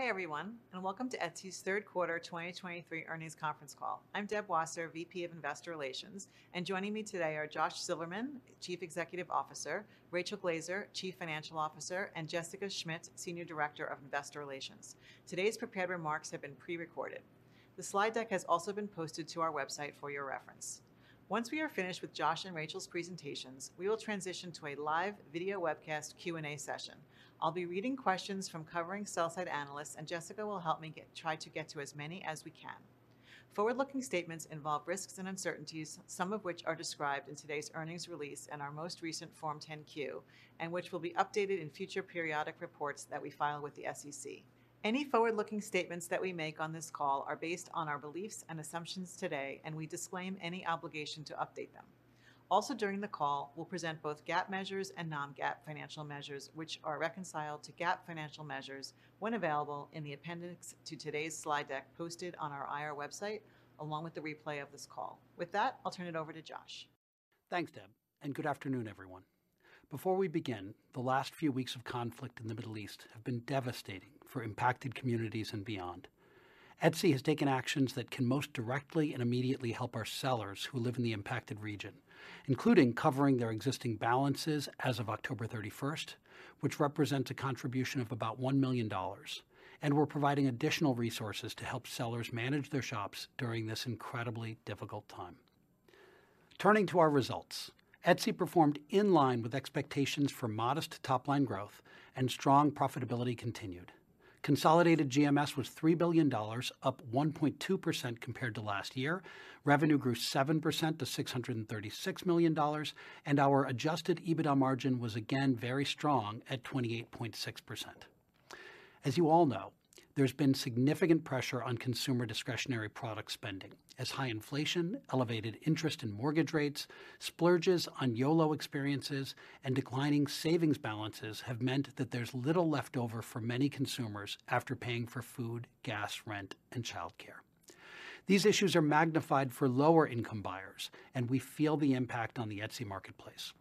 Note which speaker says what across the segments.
Speaker 1: Hi, everyone, and welcome to Etsy's third quarter 2023 earnings conference call. I'm Deb Wasser, VP of Investor Relations, and joining me today are Josh Silverman, Chief Executive Officer, Rachel Glaser, Chief Financial Officer, and Jessica Schmidt, Senior Director of Investor Relations. Today's prepared remarks have been pre-recorded. The slide deck has also been posted to our website for your reference. Once we are finished with Josh and Rachel's presentations, we will transition to a live video webcast Q&A session. I'll be reading questions from covering sell-side analysts, and Jessica will help me try to get to as many as we can. Forward-looking statements involve risks and uncertainties, some of which are described in today's earnings release and our most recent Form 10-Q, and which will be updated in future periodic reports that we file with the SEC. Any forward-looking statements that we make on this call are based on our beliefs and assumptions today, and we disclaim any obligation to update them. Also, during the call, we'll present both GAAP measures and non-GAAP financial measures, which are reconciled to GAAP financial measures when available in the appendix to today's slide deck, posted on our IR website, along with the replay of this call. With that, I'll turn it over to Josh.
Speaker 2: Thanks, Deb, and good afternoon, everyone. Before we begin, the last few weeks of conflict in the Middle East have been devastating for impacted communities and beyond. Etsy has taken actions that can most directly and immediately help our sellers who live in the impacted region, including covering their existing balances as of October 31st, which represents a contribution of about $1 million. And we're providing additional resources to help sellers manage their shops during this incredibly difficult time. Turning to our results, Etsy performed in line with expectations for modest top-line growth and strong profitability continued. Consolidated GMS was $3 billion, up 1.2% compared to last year. Revenue grew 7% to $636 million, and our adjusted EBITDA margin was again very strong at 28.6%. As you all know, there's been significant pressure on consumer discretionary product spending, as high inflation, elevated interest in mortgage rates, splurges on YOLO experiences, and declining savings balances have meant that there's little left over for many consumers after paying for food, gas, rent, and childcare. These issues are magnified for lower-income buyers, and we feel the impact on the Etsy marketplace.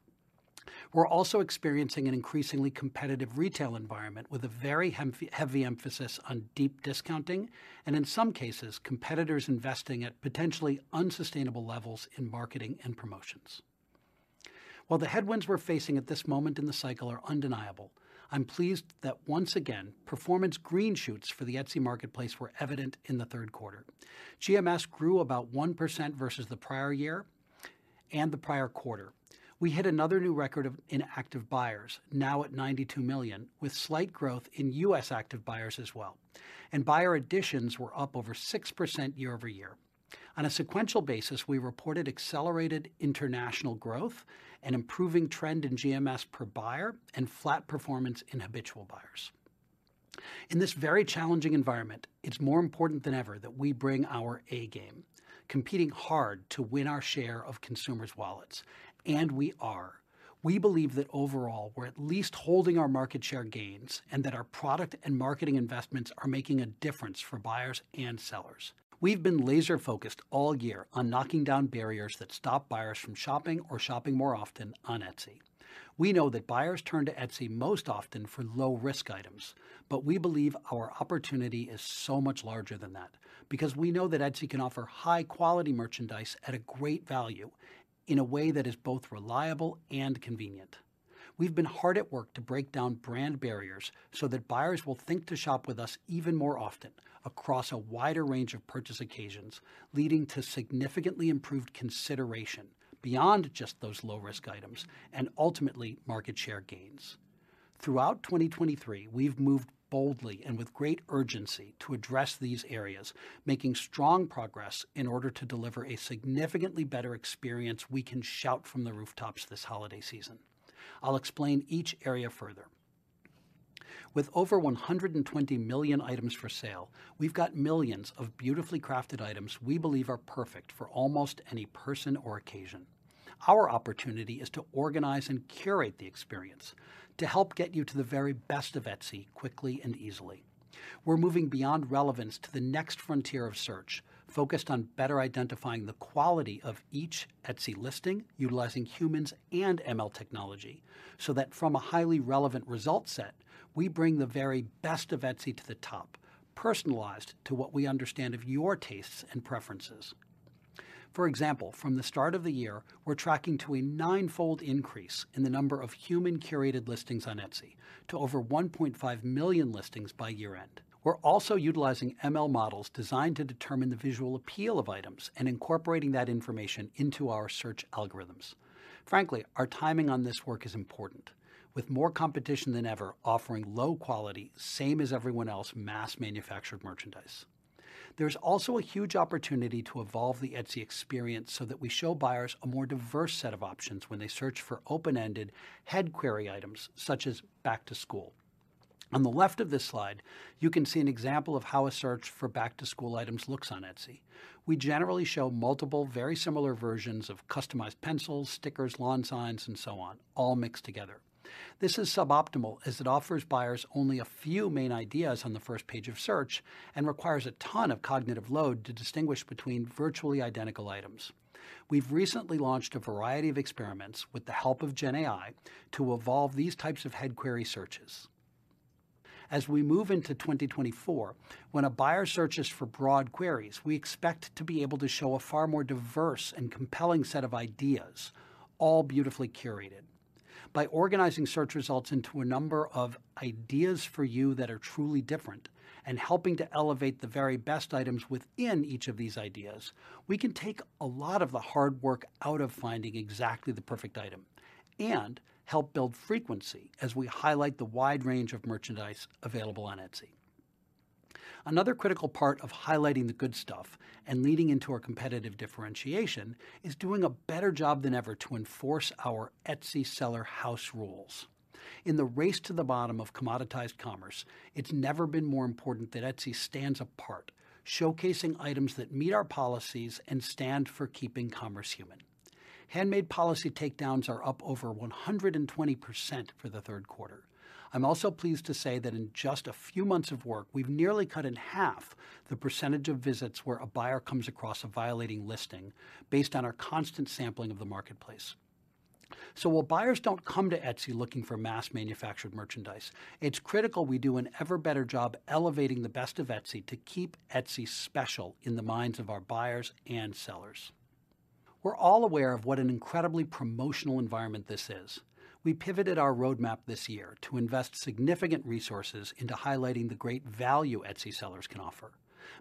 Speaker 2: We're also experiencing an increasingly competitive retail environment with a very heavy emphasis on deep discounting and, in some cases, competitors investing at potentially unsustainable levels in marketing and promotions. While the headwinds we're facing at this moment in the cycle are undeniable, I'm pleased that once again, performance green shoots for the Etsy marketplace were evident in the third quarter. GMS grew about 1% versus the prior year and the prior quarter. We hit another new record of in active buyers, now at 92 million, with slight growth in U.S. active buyers as well, and buyer additions were up over 6% year-over-year. On a sequential basis, we reported accelerated international growth, an improving trend in GMS per buyer, and flat performance in habitual buyers. In this very challenging environment, it's more important than ever that we bring our A game, competing hard to win our share of consumers' wallets, and we are. We believe that overall, we're at least holding our market share gains and that our product and marketing investments are making a difference for buyers and sellers. We've been laser-focused all year on knocking down barriers that stop buyers from shopping or shopping more often on Etsy. We know that buyers turn to Etsy most often for low-risk items, but we believe our opportunity is so much larger than that because we know that Etsy can offer high-quality merchandise at a great value in a way that is both reliable and convenient. We've been hard at work to break down brand barriers so that buyers will think to shop with us even more often across a wider range of purchase occasions, leading to significantly improved consideration beyond just those low-risk items and ultimately, market share gains. Throughout 2023, we've moved boldly and with great urgency to address these areas, making strong progress in order to deliver a significantly better experience we can shout from the rooftops this holiday season. I'll explain each area further. With over 120 million items for sale, we've got millions of beautifully crafted items we believe are perfect for almost any person or occasion. Our opportunity is to organize and curate the experience to help get you to the very best of Etsy quickly and easily. We're moving beyond relevance to the next frontier of search, focused on better identifying the quality of each Etsy listing, utilizing humans and ML technology, so that from a highly relevant result set, we bring the very best of Etsy to the top, personalized to what we understand of your tastes and preferences. For example, from the start of the year, we're tracking to a ninefold increase in the number of human-curated listings on Etsy to over 1.5 million listings by year-end. We're also utilizing ML models designed to determine the visual appeal of items and incorporating that information into our search algorithms. Frankly, our timing on this work is important, with more competition than ever offering low-quality, same as everyone else, mass-manufactured merchandise. There's also a huge opportunity to evolve the Etsy experience so that we show buyers a more diverse set of options when they search for open-ended head query items, such as back to school. On the left of this slide, you can see an example of how a search for back-to-school items looks on Etsy. We generally show multiple, very similar versions of customized pencils, stickers, lawn signs, and so on, all mixed together. This is suboptimal as it offers buyers only a few main ideas on the first page of search and requires a ton of cognitive load to distinguish between virtually identical items. We've recently launched a variety of experiments with the help of GenAI to evolve these types of head query searches. As we move into 2024, when a buyer searches for broad queries, we expect to be able to show a far more diverse and compelling set of ideas, all beautifully curated. By organizing search results into a number of ideas for you that are truly different and helping to elevate the very best items within each of these ideas, we can take a lot of the hard work out of finding exactly the perfect item, and help build frequency as we highlight the wide range of merchandise available on Etsy. Another critical part of highlighting the good stuff and leading into our competitive differentiation is doing a better job than ever to enforce our Etsy seller House Rules. In the race to the bottom of commoditized commerce, it's never been more important that Etsy stands apart, showcasing items that meet our policies and stand for keeping commerce human. Handmade policy takedowns are up over 120% for the third quarter. I'm also pleased to say that in just a few months of work, we've nearly cut in half the percentage of visits where a buyer comes across a violating listing, based on our constant sampling of the marketplace. So while buyers don't come to Etsy looking for mass manufactured merchandise, it's critical we do an ever better job elevating the best of Etsy to keep Etsy special in the minds of our buyers and sellers. We're all aware of what an incredibly promotional environment this is. We pivoted our roadmap this year to invest significant resources into highlighting the great value Etsy sellers can offer.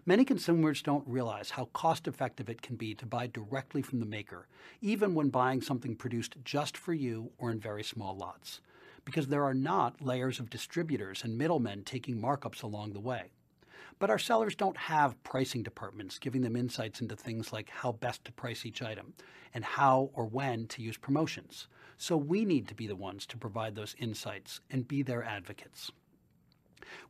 Speaker 2: Many consumers don't realize how cost-effective it can be to buy directly from the maker, even when buying something produced just for you or in very small lots, because there are not layers of distributors and middlemen taking markups along the way. But our sellers don't have pricing departments, giving them insights into things like how best to price each item and how or when to use promotions. So we need to be the ones to provide those insights and be their advocates.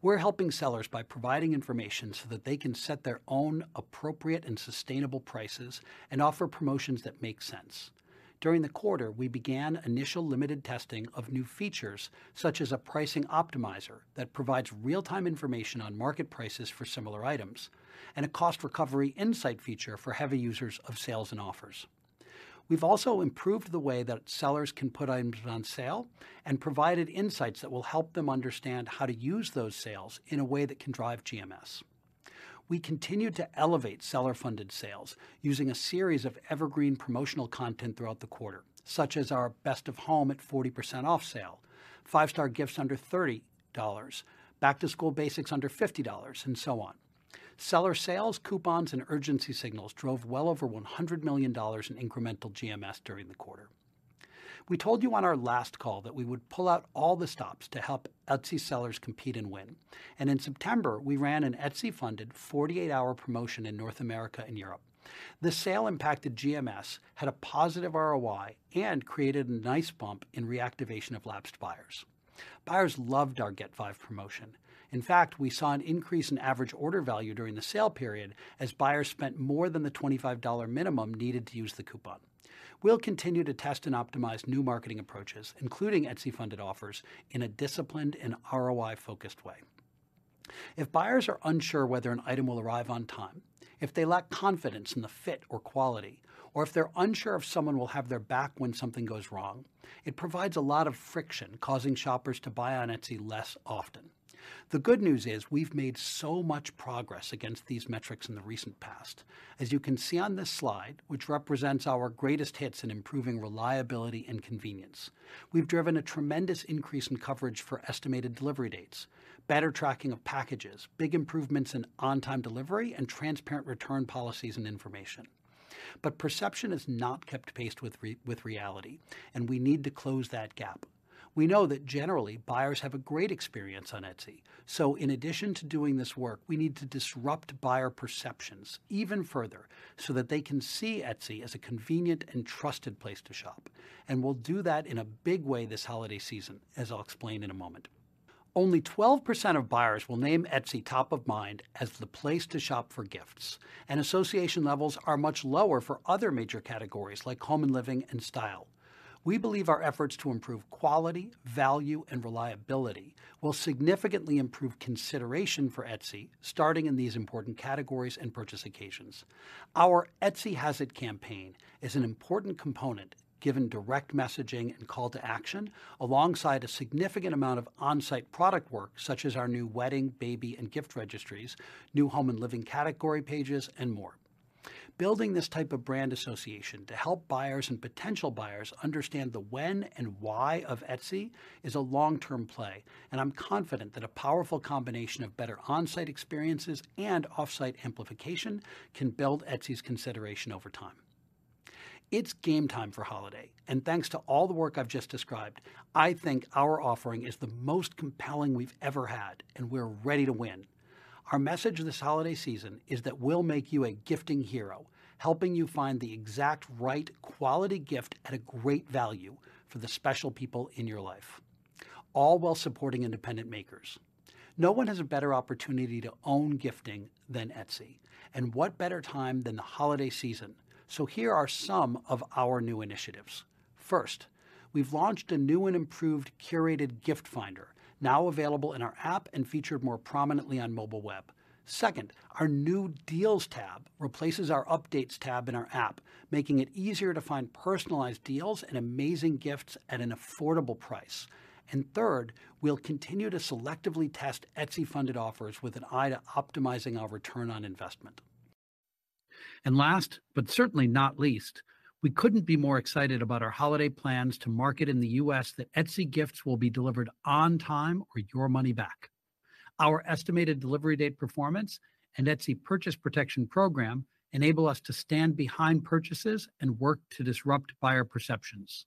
Speaker 2: We're helping sellers by providing information so that they can set their own appropriate and sustainable prices and offer promotions that make sense. During the quarter, we began initial limited testing of new features, such as a pricing optimizer, that provides real-time information on market prices for similar items, and a cost recovery insight feature for heavy users of sales and offers. We've also improved the way that sellers can put items on sale and provided insights that will help them understand how to use those sales in a way that can drive GMS. We continued to elevate seller-funded sales, using a series of evergreen promotional content throughout the quarter, such as our Best of Home at 40% off sale, five-star gifts under $30, back-to-school basics under $50, and so on. Seller sales, coupons, and urgency signals drove well over $100 million in incremental GMS during the quarter. We told you on our last call that we would pull out all the stops to help Etsy sellers compete and win, and in September, we ran an Etsy-funded 48-hour promotion in North America and Europe. The sale impacted GMS, had a positive ROI, and created a nice bump in reactivation of lapsed buyers. Buyers loved our Get Five promotion. In fact, we saw an increase in average order value during the sale period as buyers spent more than the $25 minimum needed to use the coupon. We'll continue to test and optimize new marketing approaches, including Etsy-funded offers, in a disciplined and ROI-focused way. If buyers are unsure whether an item will arrive on time, if they lack confidence in the fit or quality, or if they're unsure if someone will have their back when something goes wrong, it provides a lot of friction, causing shoppers to buy on Etsy less often. The good news is, we've made so much progress against these metrics in the recent past. As you can see on this slide, which represents our greatest hits in improving reliability and convenience, we've driven a tremendous increase in coverage for estimated delivery dates, better tracking of packages, big improvements in on-time delivery, and transparent return policies and information. But perception has not kept pace with reality, and we need to close that gap. We know that generally, buyers have a great experience on Etsy, so in addition to doing this work, we need to disrupt buyer perceptions even further so that they can see Etsy as a convenient and trusted place to shop. And we'll do that in a big way this holiday season, as I'll explain in a moment. Only 12% of buyers will name Etsy top of mind as the place to shop for gifts, and association levels are much lower for other major categories like home and living, and style. We believe our efforts to improve quality, value, and reliability will significantly improve consideration for Etsy, starting in these important categories and purchase occasions. Our Etsy Has It campaign is an important component, given direct messaging and call to action, alongside a significant amount of on-site product work, such as our new wedding, baby, and gift registries, new home and living category pages, and more. Building this type of brand association to help buyers and potential buyers understand the when and why of Etsy is a long-term play, and I'm confident that a powerful combination of better on-site experiences and off-site amplification can build Etsy's consideration over time. It's game time for holiday, and thanks to all the work I've just described, I think our offering is the most compelling we've ever had, and we're ready to win. Our message this holiday season is that we'll make you a gifting hero, helping you find the exact right quality gift at a great value for the special people in your life, all while supporting independent makers. No one has a better opportunity to own gifting than Etsy, and what better time than the holiday season? Here are some of our new initiatives. First, we've launched a new and improved curated gift finder, now available in our app and featured more prominently on mobile web. Second, our new Deals Tab replaces our Updates Tab in our app, making it easier to find personalized deals and amazing gifts at an affordable price. And third, we'll continue to selectively test Etsy-funded offers with an eye to optimizing our return on investment. And last, but certainly not least, we couldn't be more excited about our holiday plans to market in the U.S. that Etsy gifts will be delivered on time or your money back. Our estimated delivery date performance and Etsy Purchase Protection Program enable us to stand behind purchases and work to disrupt buyer perceptions.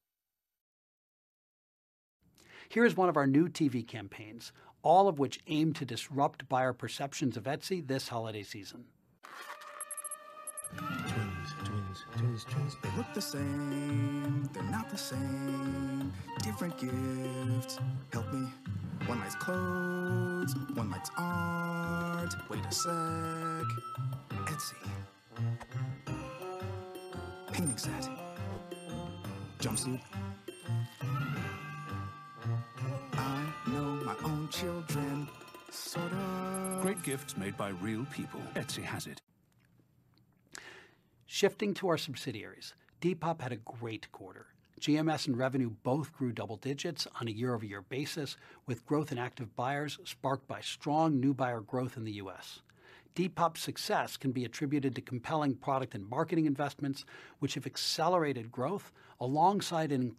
Speaker 2: Here is one of our new TV campaigns, all of which aim to disrupt buyer perceptions of Etsy this holiday season.
Speaker 3: Toys, toys, toys, toys. They look the same, they're not the same. Different gifts. Help me. One likes clothes, one likes art. Wait a sec, Etsy. Painting set, jumpsuit. I know my own children, sort of. Great gifts made by real people. Etsy has it.
Speaker 2: Shifting to our subsidiaries. Depop had a great quarter. GMS and revenue both grew double digits on a year-over-year basis, with growth in active buyers sparked by strong new buyer growth in the U.S. Depop's success can be attributed to compelling product and marketing investments, which have accelerated growth alongside an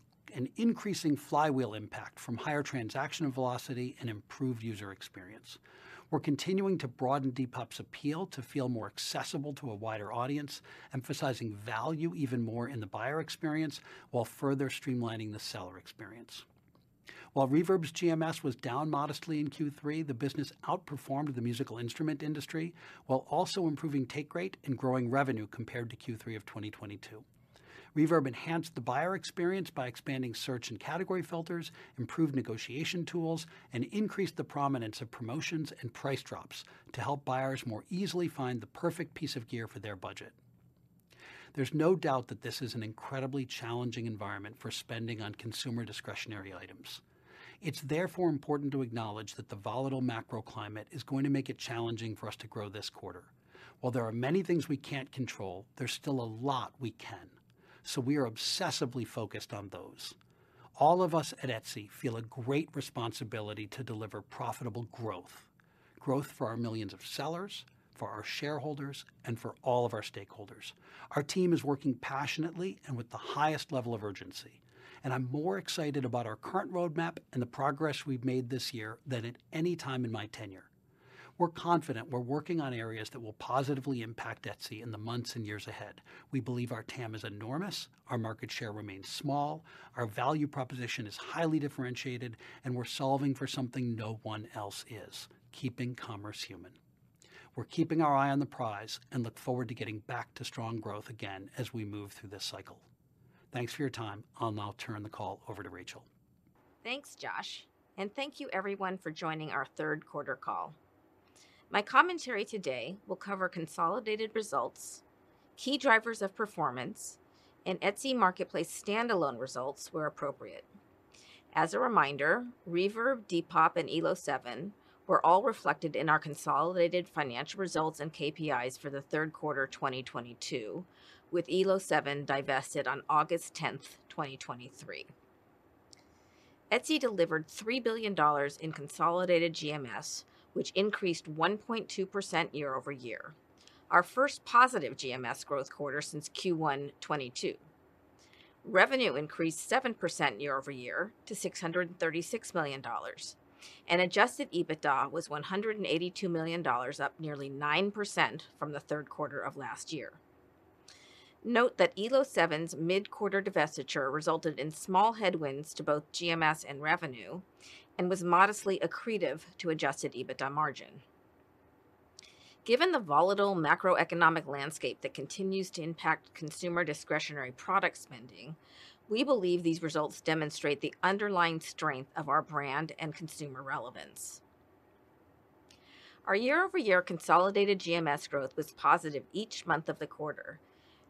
Speaker 2: increasing flywheel impact from higher transaction velocity and improved user experience. We're continuing to broaden Depop's appeal to feel more accessible to a wider audience, emphasizing value even more in the buyer experience, while further streamlining the seller experience. While Reverb's GMS was down modestly in Q3, the business outperformed the musical instrument industry, while also improving take rate and growing revenue compared to Q3 of 2022. Reverb enhanced the buyer experience by expanding search and category filters, improved negotiation tools, and increased the prominence of promotions and price drops to help buyers more easily find the perfect piece of gear for their budget. There's no doubt that this is an incredibly challenging environment for spending on consumer discretionary items. It's therefore important to acknowledge that the volatile macro climate is going to make it challenging for us to grow this quarter. While there are many things we can't control, there's still a lot we can, so we are obsessively focused on those. All of us at Etsy feel a great responsibility to deliver profitable growth, growth for our millions of sellers, for our shareholders, and for all of our stakeholders. Our team is working passionately and with the highest level of urgency, and I'm more excited about our current roadmap and the progress we've made this year than at any time in my tenure. We're confident we're working on areas that will positively impact Etsy in the months and years ahead. We believe our TAM is enormous, our market share remains small, our value proposition is highly differentiated, and we're solving for something no one else is: keeping commerce human. We're keeping our eye on the prize and look forward to getting back to strong growth again as we move through this cycle. Thanks for your time. I'll now turn the call over to Rachel.
Speaker 4: Thanks, Josh, and thank you everyone for joining our third quarter call. My commentary today will cover consolidated results, key drivers of performance, and Etsy Marketplace standalone results where appropriate. As a reminder, Reverb, Depop, and Elo7 were all reflected in our consolidated financial results and KPIs for the third quarter 2022, with Elo7 divested on August 10th, 2023. Etsy delivered $3 billion in consolidated GMS, which increased 1.2% year-over-year, our first positive GMS growth quarter since Q1 2022. Revenue increased 7% year-over-year to $636 million, and adjusted EBITDA was $182 million, up nearly 9% from the third quarter of last year. Note that Elo7's mid-quarter divestiture resulted in small headwinds to both GMS and revenue and was modestly accretive to adjusted EBITDA margin. Given the volatile macroeconomic landscape that continues to impact consumer discretionary product spending, we believe these results demonstrate the underlying strength of our brand and consumer relevance. Our year-over-year consolidated GMS growth was positive each month of the quarter,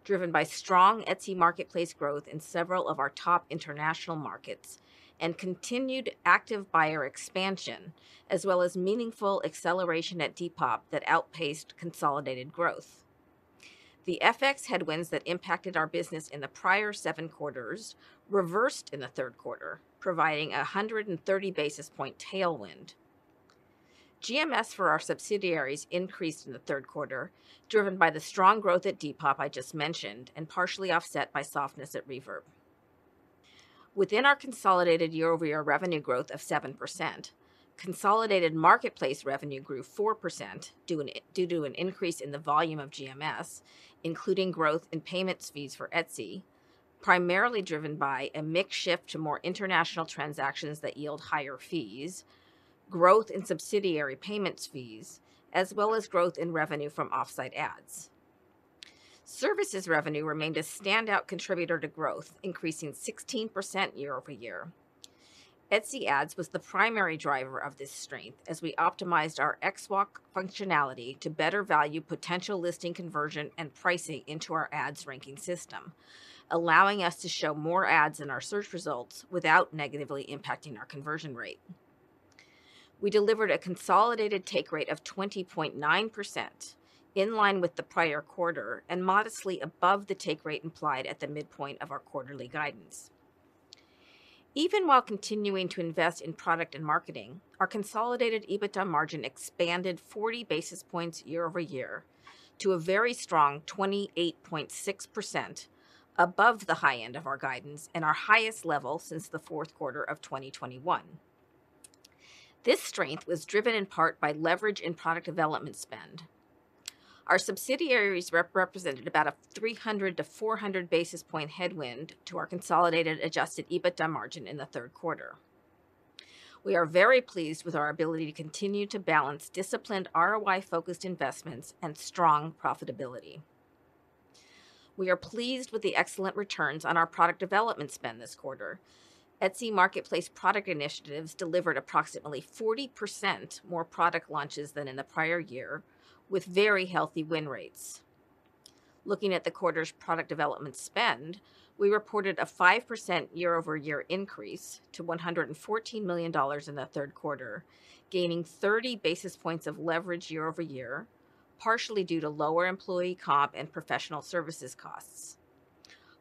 Speaker 4: driven by strong Etsy marketplace growth in several of our top international markets and continued active buyer expansion, as well as meaningful acceleration at Depop that outpaced consolidated growth. The FX headwinds that impacted our business in the prior seven quarters reversed in the third quarter, providing a 130 basis point tailwind. GMS for our subsidiaries increased in the third quarter, driven by the strong growth at Depop I just mentioned, and partially offset by softness at Reverb. Within our consolidated year-over-year revenue growth of 7%, consolidated marketplace revenue grew 4%, due to an increase in the volume of GMS, including growth in payments fees for Etsy, primarily driven by a mix shift to more international transactions that yield higher fees, growth in subsidiary payments fees, as well as growth in revenue from Offsite Ads. Services revenue remained a standout contributor to growth, increasing 16% year-over-year. Etsy Ads was the primary driver of this strength as we optimized our XWalk functionality to better value potential listing conversion and pricing into our ads ranking system, allowing us to show more ads in our search results without negatively impacting our conversion rate.... We delivered a consolidated take rate of 20.9%, in line with the prior quarter, and modestly above the take rate implied at the midpoint of our quarterly guidance. Even while continuing to invest in product and marketing, our consolidated EBITDA margin expanded 40 basis points year-over-year to a very strong 28.6%, above the high end of our guidance and our highest level since the fourth quarter of 2021. This strength was driven in part by leverage in product development spend. Our subsidiaries represented about a 300-400 basis point headwind to our consolidated adjusted EBITDA margin in the third quarter. We are very pleased with our ability to continue to balance disciplined ROI-focused investments and strong profitability. We are pleased with the excellent returns on our product development spend this quarter. Etsy Marketplace product initiatives delivered approximately 40% more product launches than in the prior year, with very healthy win rates. Looking at the quarter's product development spend, we reported a 5% year-over-year increase to $114 million in the third quarter, gaining 30 basis points of leverage year-over-year, partially due to lower employee comp and professional services costs.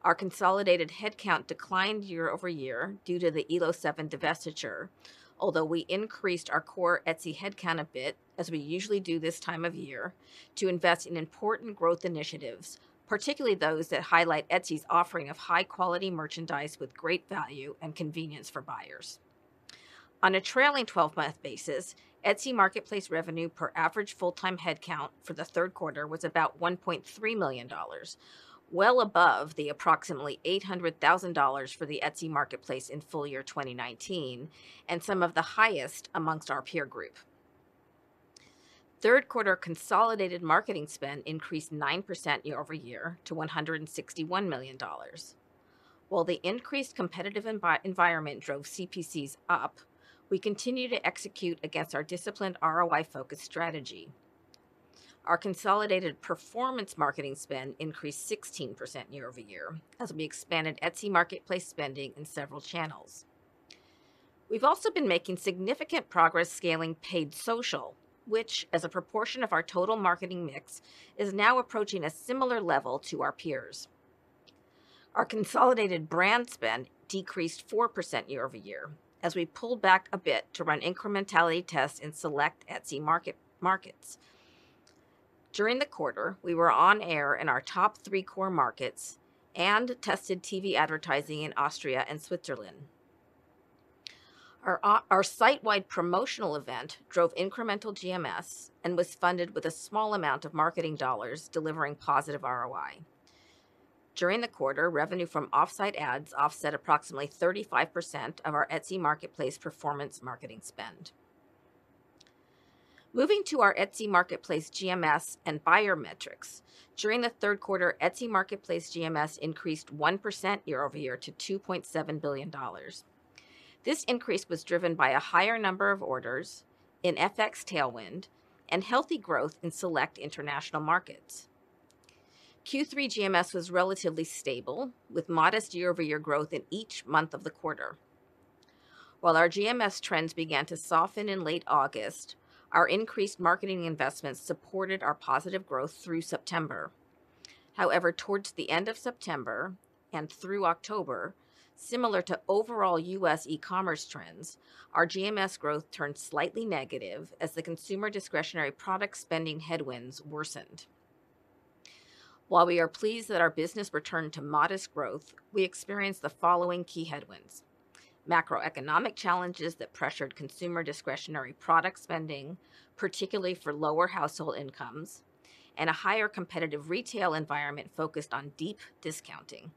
Speaker 4: Our consolidated headcount declined year-over-year due to the Elo7 divestiture, although we increased our core Etsy headcount a bit, as we usually do this time of year, to invest in important growth initiatives, particularly those that highlight Etsy's offering of high-quality merchandise with great value and convenience for buyers. On a trailing 12-month basis, Etsy marketplace revenue per average full-time headcount for the third quarter was about $1.3 million, well above the approximately $800,000 for the Etsy marketplace in full year 2019, and some of the highest amongst our peer group. Third quarter consolidated marketing spend increased 9% year-over-year to $161 million. While the increased competitive environment drove CPCs up, we continue to execute against our disciplined ROI-focused strategy. Our consolidated performance marketing spend increased 16% year-over-year as we expanded Etsy marketplace spending in several channels. We've also been making significant progress scaling paid social, which, as a proportion of our total marketing mix, is now approaching a similar level to our peers. Our consolidated brand spend decreased 4% year-over-year as we pulled back a bit to run incrementality tests in select Etsy markets. During the quarter, we were on air in our top three core markets and tested TV advertising in Austria and Switzerland. Our our site-wide promotional event drove incremental GMS and was funded with a small amount of marketing dollars, delivering positive ROI. During the quarter, revenue from Offsite Ads offset approximately 35% of our Etsy marketplace performance marketing spend. Moving to our Etsy marketplace GMS and buyer metrics, during the third quarter, Etsy marketplace GMS increased 1% year-over-year to $2.7 billion. This increase was driven by a higher number of orders in FX Tailwind and healthy growth in select international markets. Q3 GMS was relatively stable, with modest year-over-year growth in each month of the quarter. While our GMS trends began to soften in late August, our increased marketing investments supported our positive growth through September. However, towards the end of September and through October, similar to overall U.S. e-commerce trends, our GMS growth turned slightly negative as the consumer discretionary product spending headwinds worsened. While we are pleased that our business returned to modest growth, we experienced the following key headwinds: macroeconomic challenges that pressured consumer discretionary product spending, particularly for lower household incomes, and a higher competitive retail environment focused on deep discounting.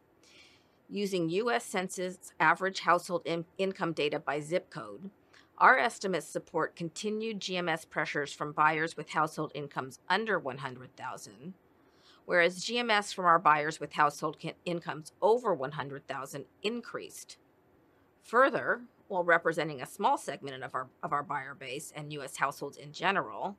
Speaker 4: Using U.S. Census' average household income data by ZIP Code, our estimates support continued GMS pressures from buyers with household incomes under 100,000, whereas GMS from our buyers with household incomes over 100,000 increased. Further, while representing a small segment of our buyer base and U.S. households in general,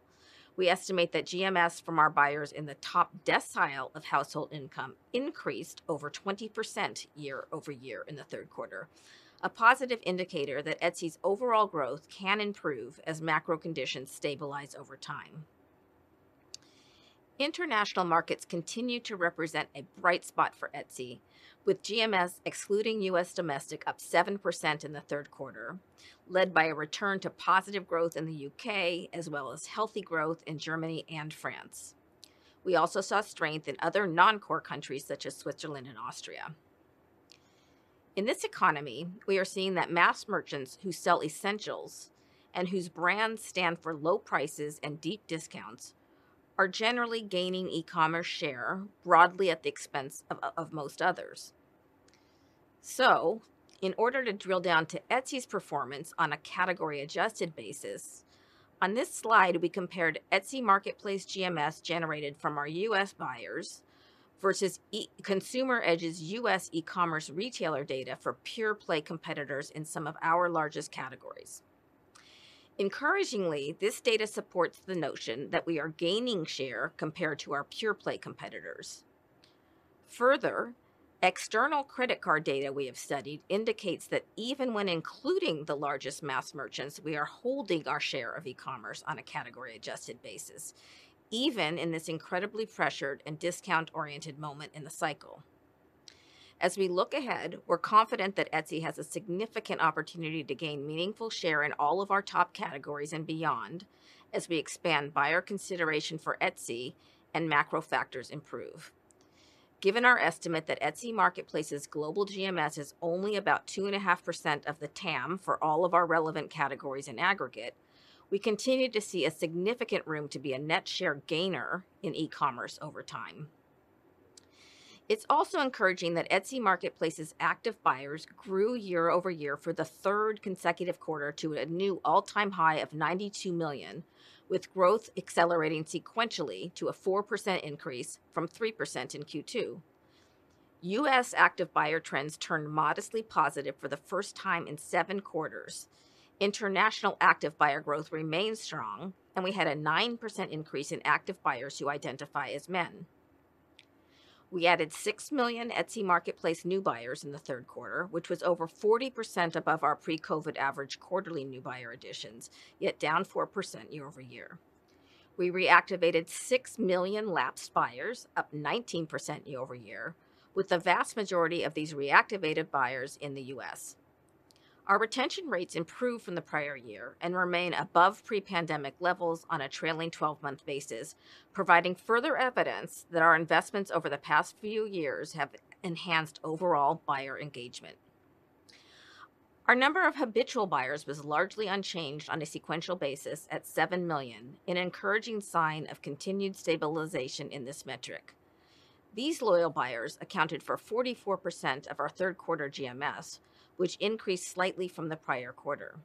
Speaker 4: we estimate that GMS from our buyers in the top decile of household income increased over 20% year-over-year in the third quarter, a positive indicator that Etsy's overall growth can improve as macro conditions stabilize over time. International markets continue to represent a bright spot for Etsy, with GMS, excluding U.S. domestic, up 7% in the third quarter, led by a return to positive growth in the U.K., as well as healthy growth in Germany and France. We also saw strength in other non-core countries, such as Switzerland and Austria. In this economy, we are seeing that mass merchants who sell essentials and whose brands stand for low prices and deep discounts are generally gaining e-commerce share broadly at the expense of, of most others. So in order to drill down to Etsy's performance on a category-adjusted basis, on this slide, we compared Etsy marketplace GMS generated from our U.S. buyers versus Consumer Edge's U.S. e-commerce retailer data for pure-play competitors in some of our largest categories. Encouragingly, this data supports the notion that we are gaining share compared to our pure-play competitors. Further, external credit card data we have studied indicates that even when including the largest mass merchants, we are holding our share of e-commerce on a category-adjusted basis, even in this incredibly pressured and discount-oriented moment in the cycle. As we look ahead, we're confident that Etsy has a significant opportunity to gain meaningful share in all of our top categories and beyond as we expand buyer consideration for Etsy and macro factors improve. Given our estimate that Etsy marketplace's global GMS is only about 2.5% of the TAM for all of our relevant categories in aggregate, we continue to see a significant room to be a net share gainer in e-commerce over time. It's also encouraging that Etsy marketplace's active buyers grew year-over-year for the third consecutive quarter to a new all-time high of 92 million, with growth accelerating sequentially to a 4% increase from 3% in Q2. U.S. active buyer trends turned modestly positive for the first time in 7 quarters. International active buyer growth remains strong, and we had a 9% increase in active buyers who identify as men. We added 6 million Etsy marketplace new buyers in the third quarter, which was over 40% above our pre-COVID average quarterly new buyer additions, yet down 4% year-over-year. We reactivated 6 million lapsed buyers, up 19% year-over-year, with the vast majority of these reactivated buyers in the U.S. Our retention rates improved from the prior year and remain above pre-pandemic levels on a trailing 12-month basis, providing further evidence that our investments over the past few years have enhanced overall buyer engagement. Our number of habitual buyers was largely unchanged on a sequential basis at 7 million, an encouraging sign of continued stabilization in this metric. These loyal buyers accounted for 44% of our third quarter GMS, which increased slightly from the prior quarter.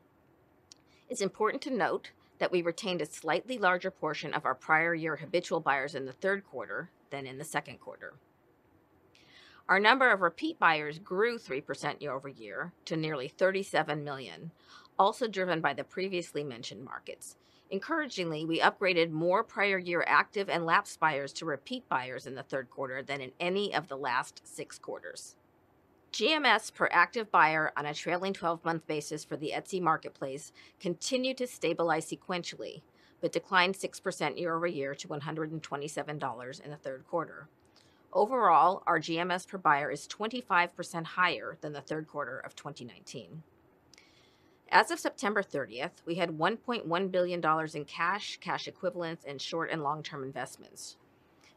Speaker 4: It's important to note that we retained a slightly larger portion of our prior year habitual buyers in the third quarter than in the second quarter. Our number of repeat buyers grew 3% year-over-year to nearly 37 million, also driven by the previously mentioned markets. Encouragingly, we upgraded more prior year active and lapsed buyers to repeat buyers in the third quarter than in any of the last six quarters. GMS per active buyer on a trailing 12-month basis for the Etsy marketplace continued to stabilize sequentially, but declined 6% year-over-year to $127 in the third quarter. Overall, our GMS per buyer is 25% higher than the third quarter of 2019. As of September 30, we had $1.1 billion in cash, cash equivalents, and short- and long-term investments.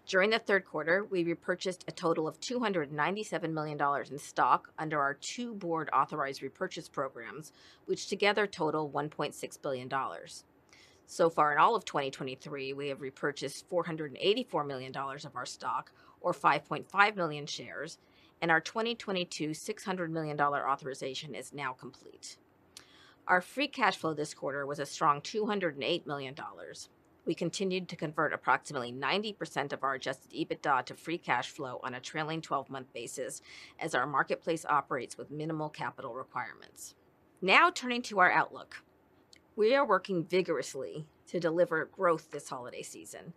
Speaker 4: During the third quarter, we repurchased a total of $297 million in stock under our two board-authorized repurchase programs, which together total $1.6 billion. So far, in all of 2023, we have repurchased $484 million of our stock, or 5.5 million shares, and our 2022 $600 million authorization is now complete. Our free cash flow this quarter was a strong $208 million. We continued to convert approximately 90% of our adjusted EBITDA to free cash flow on a trailing 12-month basis as our marketplace operates with minimal capital requirements. Now, turning to our outlook. We are working vigorously to deliver growth this holiday season,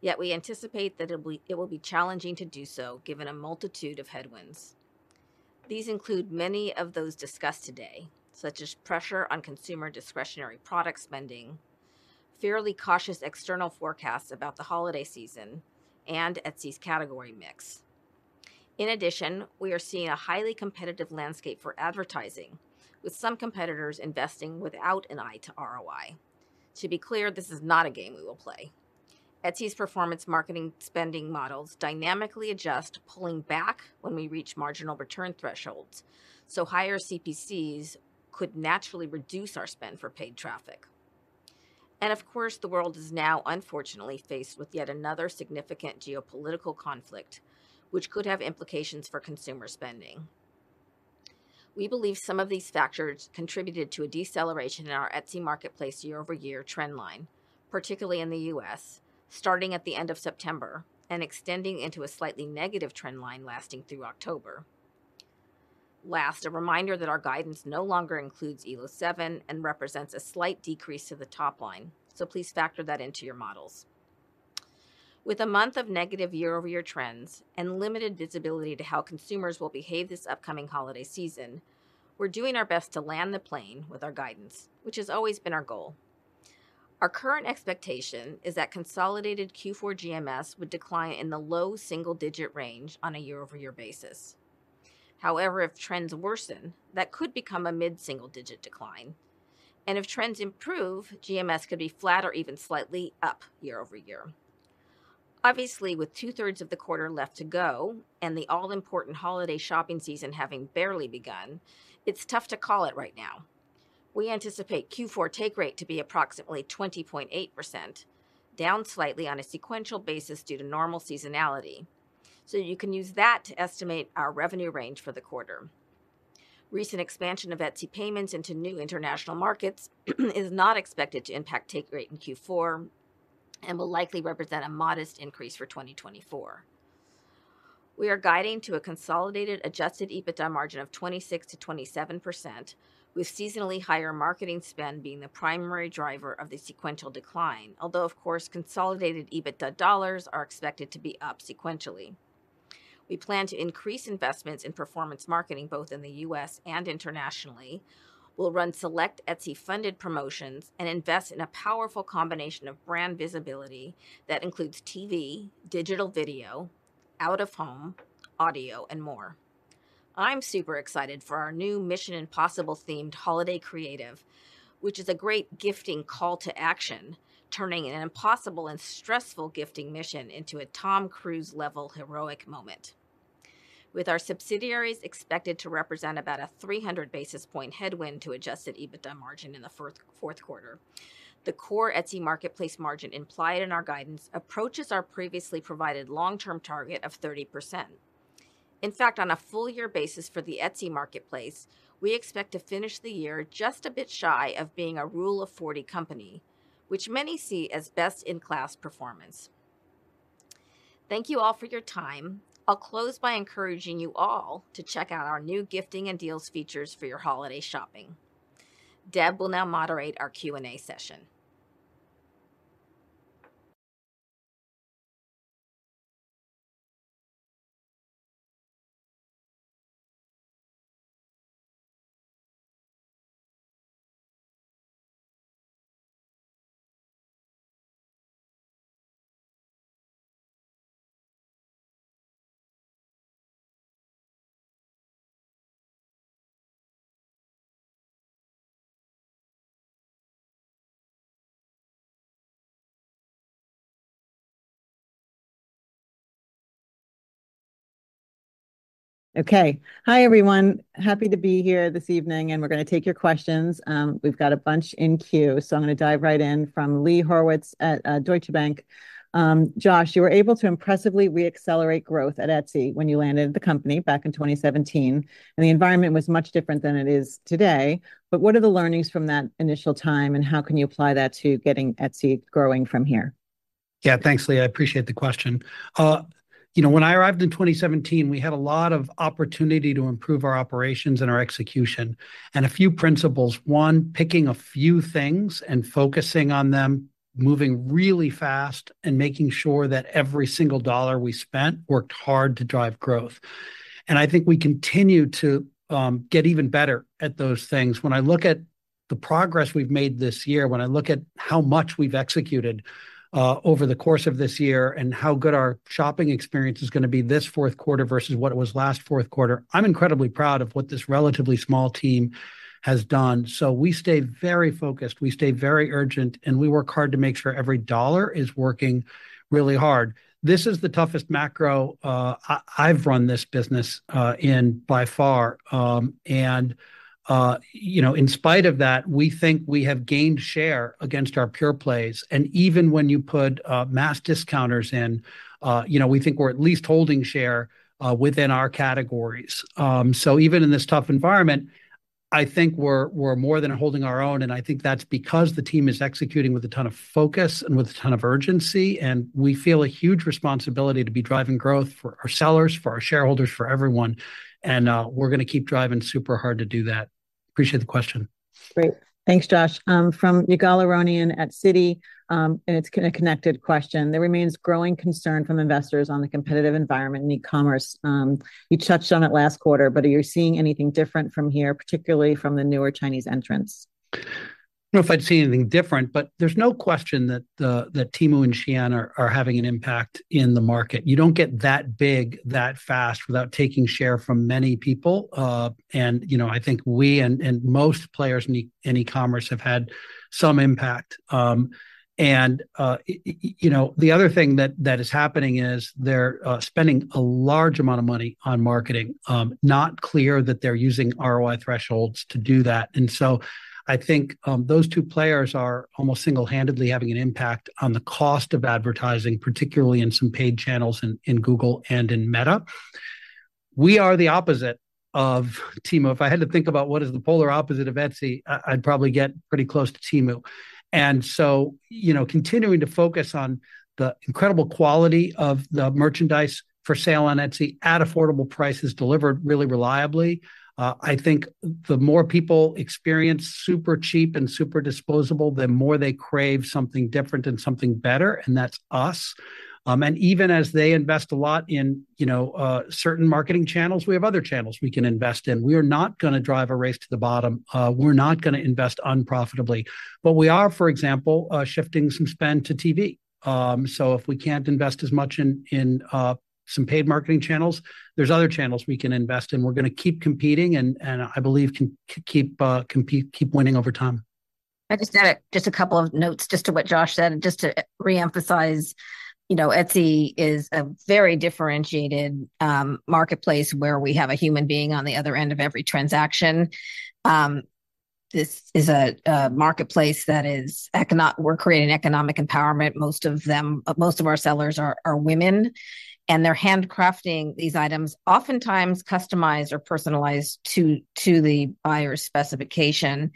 Speaker 4: yet we anticipate that it will be challenging to do so, given a multitude of headwinds. These include many of those discussed today, such as pressure on consumer discretionary product spending, fairly cautious external forecasts about the holiday season, and Etsy's category mix. In addition, we are seeing a highly competitive landscape for advertising, with some competitors investing without an eye to ROI. To be clear, this is not a game we will play. Etsy's performance marketing spending models dynamically adjust, pulling back when we reach marginal return thresholds, so higher CPCs could naturally reduce our spend for paid traffic. And of course, the world is now unfortunately faced with yet another significant geopolitical conflict, which could have implications for consumer spending. We believe some of these factors contributed to a deceleration in our Etsy marketplace year-over-year trend line, particularly in the U.S., starting at the end of September and extending into a slightly negative trend line lasting through October. Last, a reminder that our guidance no longer includes Elo7 and represents a slight decrease to the top line, so please factor that into your models. With a month of negative year-over-year trends and limited visibility to how consumers will behave this upcoming holiday season, we're doing our best to land the plane with our guidance, which has always been our goal. Our current expectation is that consolidated Q4 GMS would decline in the low single-digit range on a year-over-year basis. However, if trends worsen, that could become a mid-single-digit decline, and if trends improve, GMS could be flat or even slightly up year-over-year. Obviously, with 2/3 of the quarter left to go and the all-important holiday shopping season having barely begun, it's tough to call it right now. We anticipate Q4 take rate to be approximately 20.8%, down slightly on a sequential basis due to normal seasonality, so you can use that to estimate our revenue range for the quarter. Recent expansion of Etsy Payments into new international markets is not expected to impact Take Rate in Q4 and will likely represent a modest increase for 2024. We are guiding to a consolidated Adjusted EBITDA margin of 26%-27%, with seasonally higher marketing spend being the primary driver of the sequential decline. Although, of course, consolidated EBITDA dollars are expected to be up sequentially. We plan to increase investments in performance marketing, both in the U.S. and internationally. We'll run select Etsy-funded promotions and invest in a powerful combination of brand visibility that includes TV, digital video, out-of-home, audio, and more. I'm super excited for our new Mission: Impossible-themed holiday creative, which is a great gifting call to action, turning an impossible and stressful gifting mission into a Tom Cruise-level heroic moment. With our subsidiaries expected to represent about a 300 basis points headwind to Adjusted EBITDA margin in the fourth quarter, the core Etsy marketplace margin implied in our guidance approaches our previously provided long-term target of 30%. In fact, on a full year basis for the Etsy marketplace, we expect to finish the year just a bit shy of being a Rule of 40 company, which many see as best-in-class performance. Thank you all for your time. I'll close by encouraging you all to check out our new gifting and deals features for your holiday shopping. Deb will now moderate our Q&A session.
Speaker 1: Okay. Hi, everyone. Happy to be here this evening, and we're going to take your questions. We've got a bunch in queue, so I'm going to dive right in from Lee Horowitz at Deutsche Bank. Josh, you were able to impressively re-accelerate growth at Etsy when you landed at the company back in 2017, and the environment was much different than it is today. But what are the learnings from that initial time, and how can you apply that to getting Etsy growing from here?
Speaker 2: Yeah, thanks, Lee. I appreciate the question. You know, when I arrived in 2017, we had a lot of opportunity to improve our operations and our execution, and a few principles: One, picking a few things and focusing on them, moving really fast, and making sure that every single dollar we spent worked hard to drive growth. I think we continue to get even better at those things. When I look at the progress we've made this year, when I look at how much we've executed over the course of this year, and how good our shopping experience is going to be this fourth quarter versus what it was last fourth quarter, I'm incredibly proud of what this relatively small team has done. So we stay very focused, we stay very urgent, and we work hard to make sure every dollar is working really hard. This is the toughest macro I've run this business in by far. You know, in spite of that, we think we have gained share against our pure plays. Even when you put mass discounters in, you know, we think we're at least holding share within our categories. So even in this tough environment, I think we're more than holding our own, and I think that's because the team is executing with a ton of focus and with a ton of urgency, and we feel a huge responsibility to be driving growth for our sellers, for our shareholders, for everyone, and we're going to keep driving super hard to do that. Appreciate the question.
Speaker 1: Great. Thanks, Josh. From Ygal Arounian at Citi, and it's a connected question: There remains growing concern from investors on the competitive environment in e-commerce. You touched on it last quarter, but are you seeing anything different from here, particularly from the newer Chinese entrants?
Speaker 2: I don't know if I'd see anything different, but there's no question that Temu and Shein are having an impact in the market. You don't get that big that fast without taking share from many people. And, you know, I think we and most players in e-commerce have had some impact. You know, the other thing that is happening is they're spending a large amount of money on marketing. Not clear that they're using ROI thresholds to do that. And so I think those two players are almost single-handedly having an impact on the cost of advertising, particularly in some paid channels in Google and in Meta. We are the opposite of Temu. If I had to think about what is the polar opposite of Etsy, I'd probably get pretty close to Temu. So, you know, continuing to focus on the incredible quality of the merchandise for sale on Etsy at affordable prices, delivered really reliably, I think the more people experience super cheap and super disposable, the more they crave something different and something better, and that's us. And even as they invest a lot in, you know, certain marketing channels, we have other channels we can invest in. We are not going to drive a race to the bottom. We're not going to invest unprofitably, but we are, for example, shifting some spend to TV. So if we can't invest as much in some paid marketing channels, there's other channels we can invest in. We're going to keep competing, and I believe compete keep winning over time.
Speaker 4: I just add a couple of notes just to what Josh said, and just to reemphasize, you know, Etsy is a very differentiated marketplace, where we have a human being on the other end of every transaction. This is a marketplace that is. We're creating economic empowerment. Most of our sellers are women, and they're handcrafting these items, oftentimes customized or personalized to the buyer's specification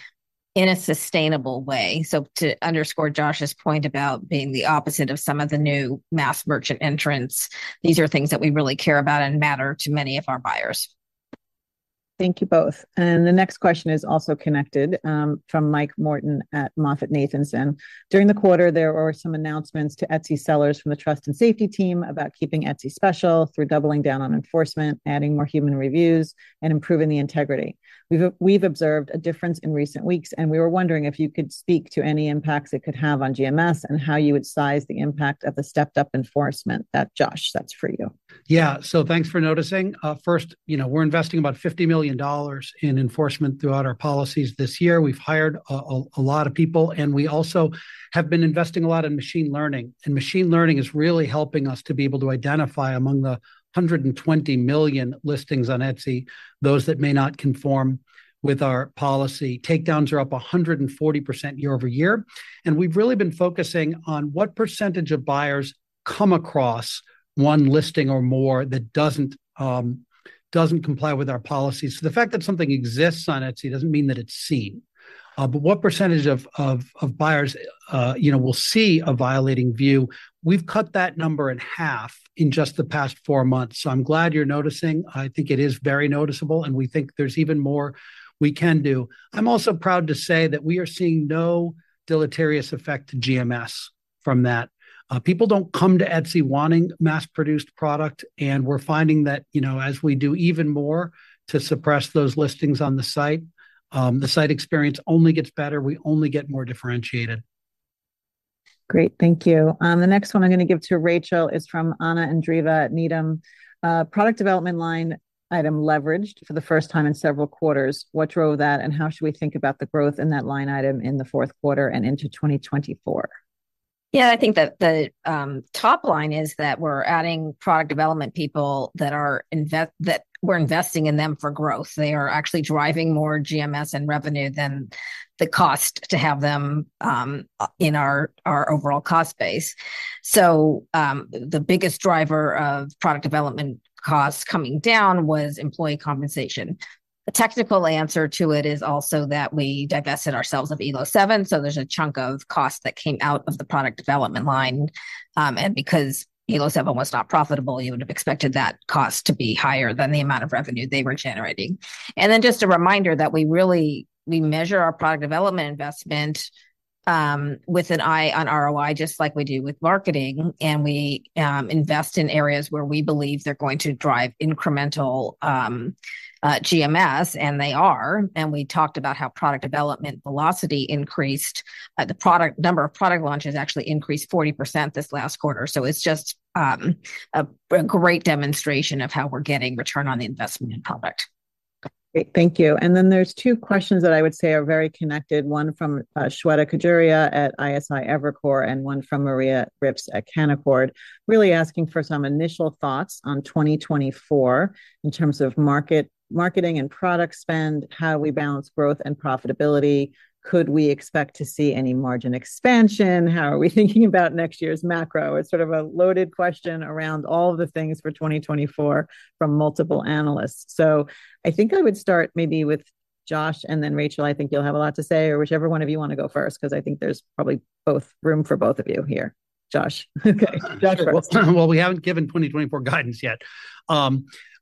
Speaker 4: in a sustainable way. So to underscore Josh's point about being the opposite of some of the new mass merchant entrants, these are things that we really care about and matter to many of our buyers.
Speaker 1: Thank you both. The next question is also connected from Mike Morton at MoffettNathanson. During the quarter, there were some announcements to Etsy sellers from the trust and safety team about keeping Etsy special through doubling down on enforcement, adding more human reviews, and improving the integrity. We've observed a difference in recent weeks, and we were wondering if you could speak to any impacts it could have on GMS, and how you would size the impact of the stepped up enforcement? That, Josh, that's for you.
Speaker 2: Yeah. So thanks for noticing. First, you know, we're investing about $50 million in enforcement throughout our policies this year. We've hired a lot of people, and we also have been investing a lot in Machine Learning, and Machine Learning is really helping us to be able to identify, among the 120 million listings on Etsy, those that may not conform with our policy. Takedowns are up 140% year-over-year, and we've really been focusing on what percentage of buyers come across one listing or more that doesn't comply with our policies. So the fact that something exists on Etsy doesn't mean that it's seen. But what percentage of buyers, you know, will see a violating view? We've cut that number in half in just the past four months, so I'm glad you're noticing. I think it is very noticeable, and we think there's even more we can do. I'm also proud to say that we are seeing no deleterious effect to GMS from that. People don't come to Etsy wanting mass-produced product, and we're finding that, you know, as we do even more to suppress those listings on the site, the site experience only gets better. We only get more differentiated.
Speaker 1: Great, thank you. The next one I'm gonna give to Rachel is from Anna Andreeva at Needham. Product development line item leveraged for the first time in several quarters. What drove that, and how should we think about the growth in that line item in the fourth quarter and into 2024?
Speaker 4: Yeah, I think that the top line is that we're adding product development people that we're investing in them for growth. They are actually driving more GMS and revenue than the cost to have them in our overall cost base. So, the biggest driver of product development costs coming down was employee compensation. The technical answer to it is also that we divested ourselves of Elo7, so there's a chunk of cost that came out of the product development line. And because Elo7 was not profitable, you would have expected that cost to be higher than the amount of revenue they were generating. And then just a reminder that we really... We measure our product development investment with an eye on ROI, just like we do with marketing, and we invest in areas where we believe they're going to drive incremental GMS, and they are. And we talked about how product development velocity increased. The number of product launches actually increased 40% this last quarter. So it's just a great demonstration of how we're getting return on the investment in product.
Speaker 1: Great, thank you. And then there's two questions that I would say are very connected, one from Shweta Khajuria at Evercore ISI and one from Maria Rips at Canaccord, really asking for some initial thoughts on 2024 in terms of market, marketing and product spend. How do we balance growth and profitability? Could we expect to see any margin expansion? How are we thinking about next year's macro? It's sort of a loaded question around all of the things for 2024 from multiple analysts. So I think I would start maybe with Josh, and then Rachel, I think you'll have a lot to say, or whichever one of you want to go first, 'cause I think there's probably both room for both of you here. Josh. Okay, Josh, go first.
Speaker 2: Well, we haven't given 2024 guidance yet.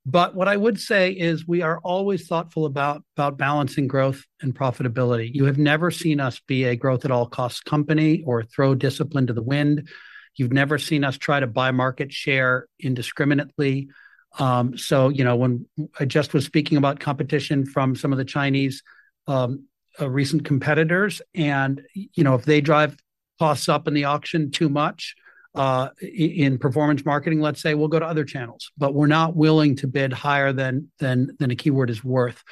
Speaker 2: But what I would say is we are always thoughtful about balancing growth and profitability. You have never seen us be a growth at all costs company or throw discipline to the wind. You've never seen us try to buy market share indiscriminately. So, you know, when I just was speaking about competition from some of the Chinese recent competitors, and, you know, if they drive costs up in the auction too much, in performance marketing, let's say, we'll go to other channels, but we're not willing to bid higher than a keyword is worth.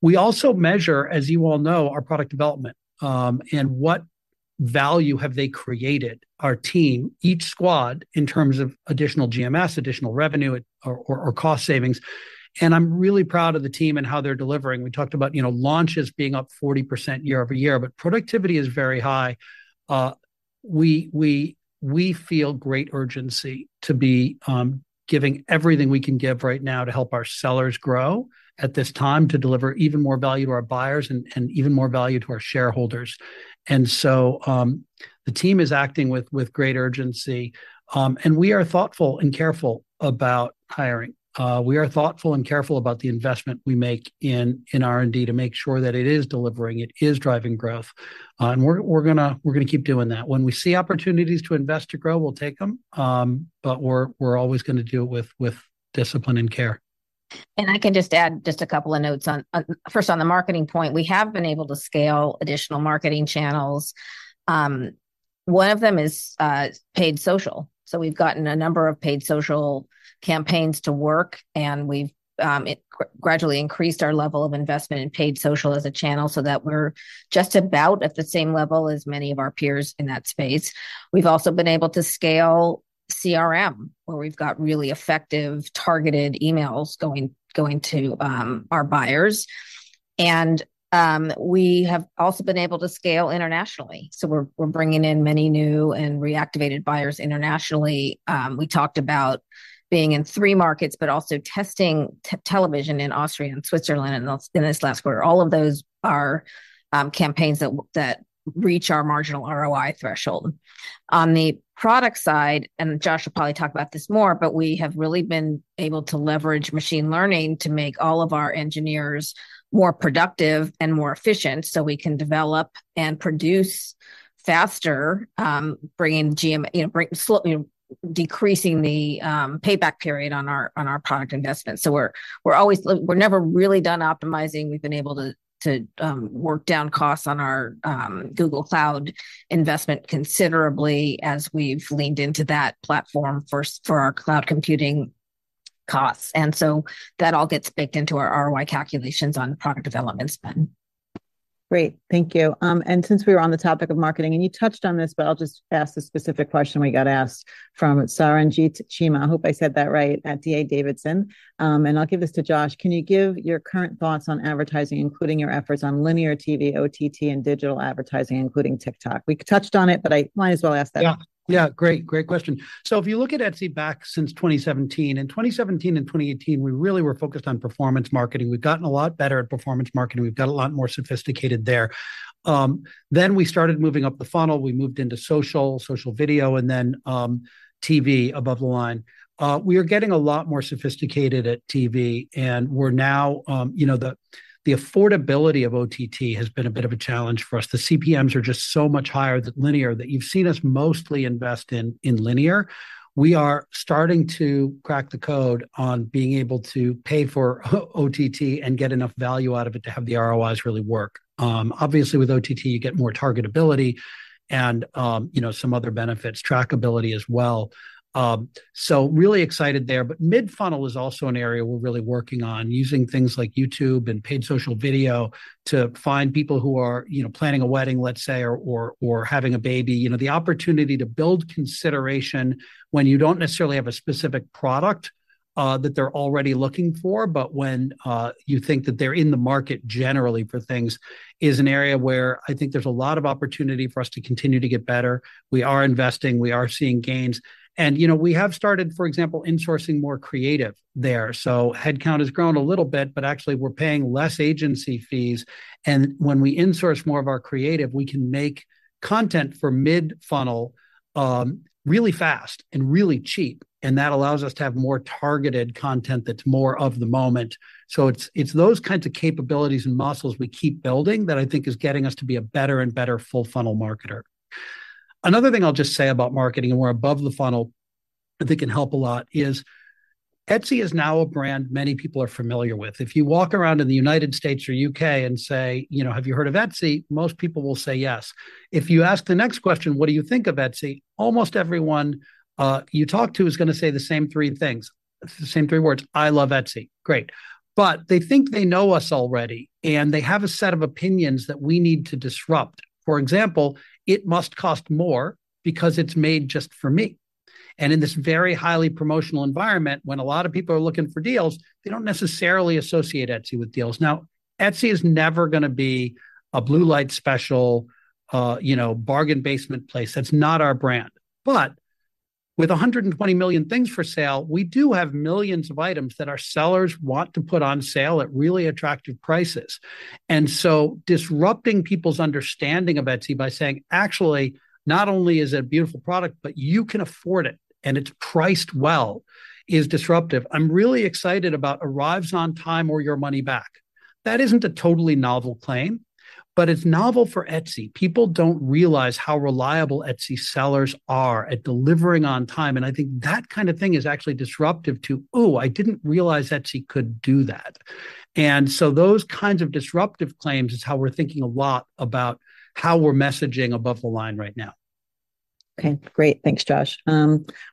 Speaker 2: We also measure, as you all know, our product development, and what value have they created, our team, each squad, in terms of additional GMS, additional revenue at... or cost savings. I'm really proud of the team and how they're delivering. We talked about, you know, launches being up 40% year-over-year, but productivity is very high. We feel great urgency to be giving everything we can give right now to help our sellers grow at this time, to deliver even more value to our buyers and even more value to our shareholders. So, the team is acting with great urgency. And we are thoughtful and careful about hiring. We are thoughtful and careful about the investment we make in R&D to make sure that it is delivering, it is driving growth. And we're gonna keep doing that. When we see opportunities to invest to grow, we'll take them. But we're always gonna do it with discipline and care.
Speaker 4: I can just add a couple of notes on. First, on the marketing point, we have been able to scale additional marketing channels. One of them is paid social. So we've gotten a number of paid social campaigns to work, and we've gradually increased our level of investment in paid social as a channel so that we're just about at the same level as many of our peers in that space. We've also been able to scale CRM, where we've got really effective, targeted emails going to our buyers. We have also been able to scale internationally, so we're bringing in many new and reactivated buyers internationally. We talked about being in three markets, but also testing television in Austria and Switzerland, and also in this last quarter. All of those are campaigns that reach our marginal ROI threshold. On the product side, and Josh will probably talk about this more, but we have really been able to leverage machine learning to make all of our engineers more productive and more efficient, so we can develop and produce faster, bringing GMS, you know, slowly decreasing the payback period on our product investments. So we're always. We're never really done optimizing. We've been able to work down costs on our Google Cloud investment considerably as we've leaned into that platform first for our cloud computing costs. And so that all gets baked into our ROI calculations on product development spend.
Speaker 1: Great. Thank you. And since we're on the topic of marketing, and you touched on this, but I'll just ask the specific question we got asked from Saranjit Cheema, I hope I said that right, at D.A. Davidson. And I'll give this to Josh. Can you give your current thoughts on advertising, including your efforts on linear TV, OTT, and digital advertising, including TikTok? We touched on it, but I might as well ask that.
Speaker 2: Yeah. Yeah, great, great question. So if you look at Etsy back since 2017, in 2017 and 2018, we really were focused on performance marketing. We've gotten a lot better at performance marketing. We've got a lot more sophisticated there. Then we started moving up the funnel. We moved into social, social video, and then, TV above the line. We are getting a lot more sophisticated at TV, and we're now, you know, the, the affordability of OTT has been a bit of a challenge for us. The CPMs are just so much higher than linear that you've seen us mostly invest in, in linear. We are starting to crack the code on being able to pay for OTT and get enough value out of it to have the ROIs really work. Obviously, with OTT, you get more targetability and, you know, some other benefits, trackability as well. So really excited there. But mid-funnel is also an area we're really working on, using things like YouTube and paid social video to find people who are, you know, planning a wedding, let's say, or having a baby. You know, the opportunity to build consideration when you don't necessarily have a specific product that they're already looking for, but when you think that they're in the market generally for things, is an area where I think there's a lot of opportunity for us to continue to get better. We are investing, we are seeing gains, and, you know, we have started, for example, insourcing more creative there. So headcount has grown a little bit, but actually, we're paying less agency fees, and when we insource more of our creative, we can make content for mid-funnel really fast and really cheap, and that allows us to have more targeted content that's more of the moment. So it's those kinds of capabilities and muscles we keep building that I think is getting us to be a better and better full funnel marketer. Another thing I'll just say about marketing, and we're above the funnel, that can help a lot, is Etsy is now a brand many people are familiar with. If you walk around in the United States or U.K. and say, "You know, have you heard of Etsy?" Most people will say yes. If you ask the next question, "What do you think of Etsy?" almost everyone you talk to is gonna say the same three things, the same three words: "I love Etsy." Great, but they think they know us already, and they have a set of opinions that we need to disrupt. For example, it must cost more because it's made just for me, and in this very highly promotional environment, when a lot of people are looking for deals, they don't necessarily associate Etsy with deals. Now, Etsy is never gonna be a Blue Light Special, you know, bargain basement place. That's not our brand. But with 120 million things for sale, we do have millions of items that our sellers want to put on sale at really attractive prices. Disrupting people's understanding of Etsy by saying, "Actually, not only is it a beautiful product, but you can afford it, and it's priced well," is disruptive. I'm really excited about "arrives on time or your money back." That isn't a totally novel claim, but it's novel for Etsy. People don't realize how reliable Etsy sellers are at delivering on time, and I think that kind of thing is actually disruptive to, "Oh, I didn't realize Etsy could do that." Those kinds of disruptive claims is how we're thinking a lot about how we're messaging above the line right now.
Speaker 1: Okay, great. Thanks, Josh.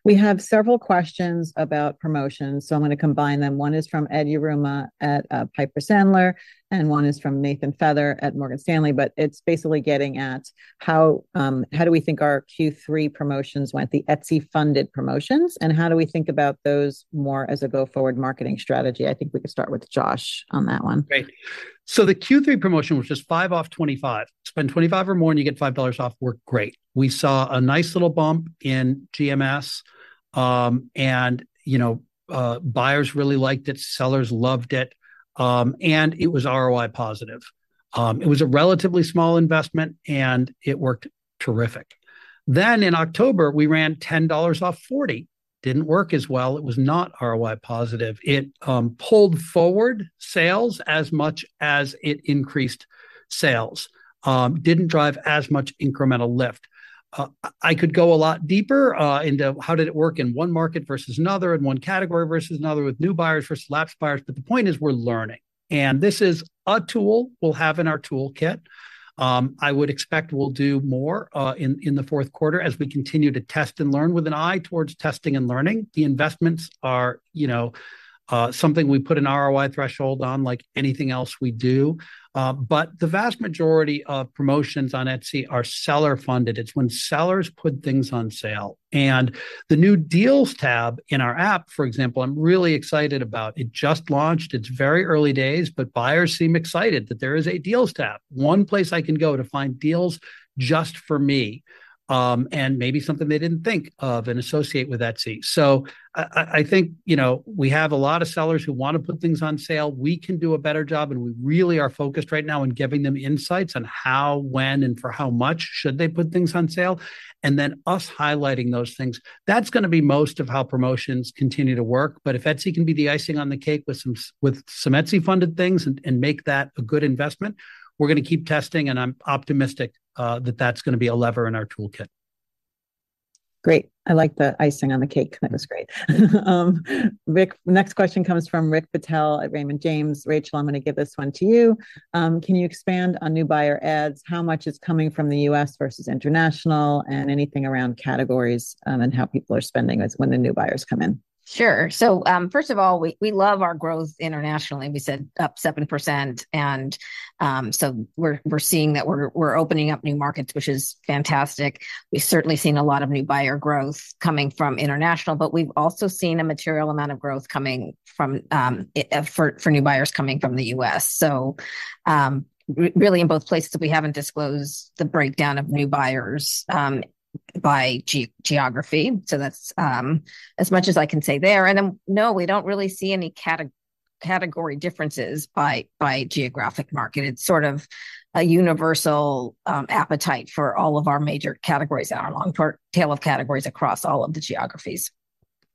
Speaker 1: We have several questions about promotions, so I'm gonna combine them. One is from Ed Yruma at Piper Sandler, and one is from Nathan Feather at Morgan Stanley, but it's basically getting at how, how do we think our Q3 promotions went, the Etsy-funded promotions, and how do we think about those more as a go-forward marketing strategy? I think we could start with Josh on that one.
Speaker 2: Great. So the Q3 promotion, which is $5 off $25, spend $25 or more and you get $5 off, worked great. We saw a nice little bump in GMS, and, you know, buyers really liked it, sellers loved it, and it was ROI positive. It was a relatively small investment, and it worked terrific. Then in October, we ran $10 off 40. Didn't work as well. It was not ROI positive. It, pulled forward sales as much as it increased sales, didn't drive as much incremental lift. I could go a lot deeper, into how did it work in one market versus another, in one category versus another, with new buyers versus lapsed buyers, but the point is, we're learning, and this is a tool we'll have in our toolkit. I would expect we'll do more in the fourth quarter as we continue to test and learn with an eye towards testing and learning. The investments are, you know, something we put an ROI threshold on, like anything else we do. But the vast majority of promotions on Etsy are seller-funded. It's when sellers put things on sale, and the new Deals Tab in our app, for example, I'm really excited about. It just launched. It's very early days, but buyers seem excited that there is a Deals Tab. One place I can go to find deals just for me, and maybe something they didn't think of and associate with Etsy. So I think, you know, we have a lot of sellers who want to put things on sale. We can do a better job, and we really are focused right now on giving them insights on how, when, and for how much should they put things on sale, and then us highlighting those things. That's gonna be most of how promotions continue to work. But if Etsy can be the icing on the cake with some, with some Etsy-funded things and, and make that a good investment, we're gonna keep testing, and I'm optimistic, that that's gonna be a lever in our toolkit.
Speaker 1: Great. I like the icing on the cake. That was great. Rick, next question comes from Rick Patel at Raymond James. Rachel, I'm gonna give this one to you. Can you expand on new buyer ads? How much is coming from the U.S. versus international, and anything around categories, and how people are spending when the new buyers come in?
Speaker 4: Sure. So first of all, we love our growth internationally. We said up 7%, and so we're seeing that we're opening up new markets, which is fantastic. We've certainly seen a lot of new buyer growth coming from international, but we've also seen a material amount of growth coming from for new buyers coming from the U.S. So really, in both places, we haven't disclosed the breakdown of new buyers by geography, so that's as much as I can say there. And then, no, we don't really see any category differences by geographic market. It's sort of a universal appetite for all of our major categories and our long-term tail of categories across all of the geographies.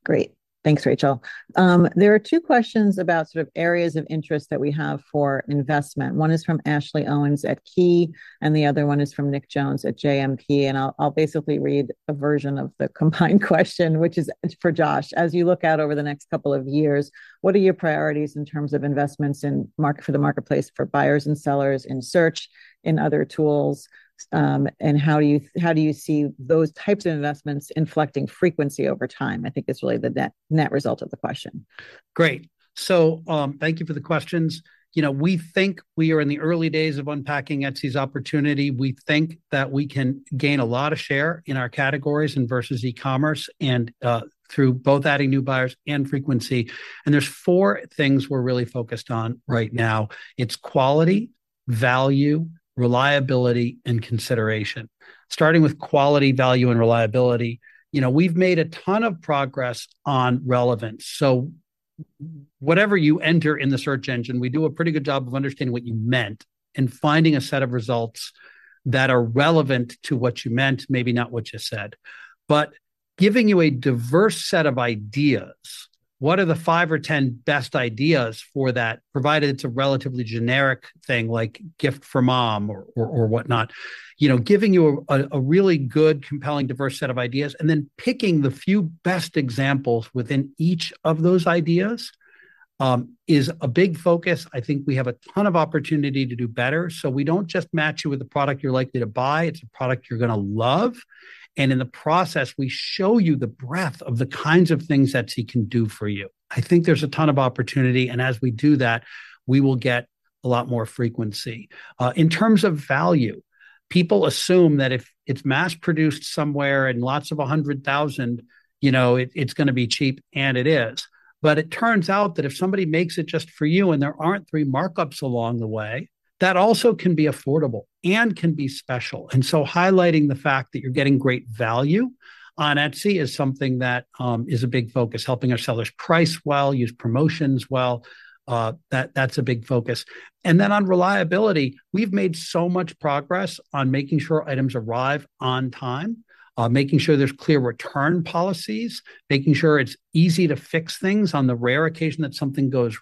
Speaker 1: Great. Thanks, Rachel. There are two questions about sort of areas of interest that we have for investment. One is from Ashley Owens at Key, and the other one is from Nick Jones at JMP, and I'll basically read a version of the combined question which is for Josh. As you look out over the next couple of years, what are your priorities in terms of investments in market-- for the marketplace, for buyers and sellers in search, in other tools, and how do you see those types of investments inflecting frequency over time? I think is really the net, net result of the question.
Speaker 2: Great. So, thank you for the questions. You know, we think we are in the early days of unpacking Etsy's opportunity. We think that we can gain a lot of share in our categories and versus e-commerce, and through both adding new buyers and frequency. And there's four things we're really focused on right now: it's quality, value, reliability, and consideration. Starting with quality, value, and reliability, you know, we've made a ton of progress on relevance. So whatever you enter in the search engine, we do a pretty good job of understanding what you meant and finding a set of results that are relevant to what you meant, maybe not what you said. But giving you a diverse set of ideas, what are the five or 10 best ideas for that, provided it's a relatively generic thing, like gift for Mom or whatnot. You know, giving you a, a really good, compelling, diverse set of ideas, and then picking the few best examples within each of those ideas, is a big focus. I think we have a ton of opportunity to do better, so we don't just match you with a product you're likely to buy, it's a product you're gonna love, and in the process, we show you the breadth of the kinds of things that he can do for you. I think there's a ton of opportunity, and as we do that, we will get a lot more frequency. In terms of value, people assume that if it's mass produced somewhere in lots of 100,000, you know, it, it's gonna be cheap, and it is. But it turns out that if somebody makes it just for you and there aren't three markups along the way, that also can be affordable and can be special. And so highlighting the fact that you're getting great value on Etsy is something that is a big focus. Helping our sellers price well, use promotions well, that, that's a big focus. And then on reliability, we've made so much progress on making sure items arrive on time, making sure there's clear return policies, making sure it's easy to fix things on the rare occasion that something goes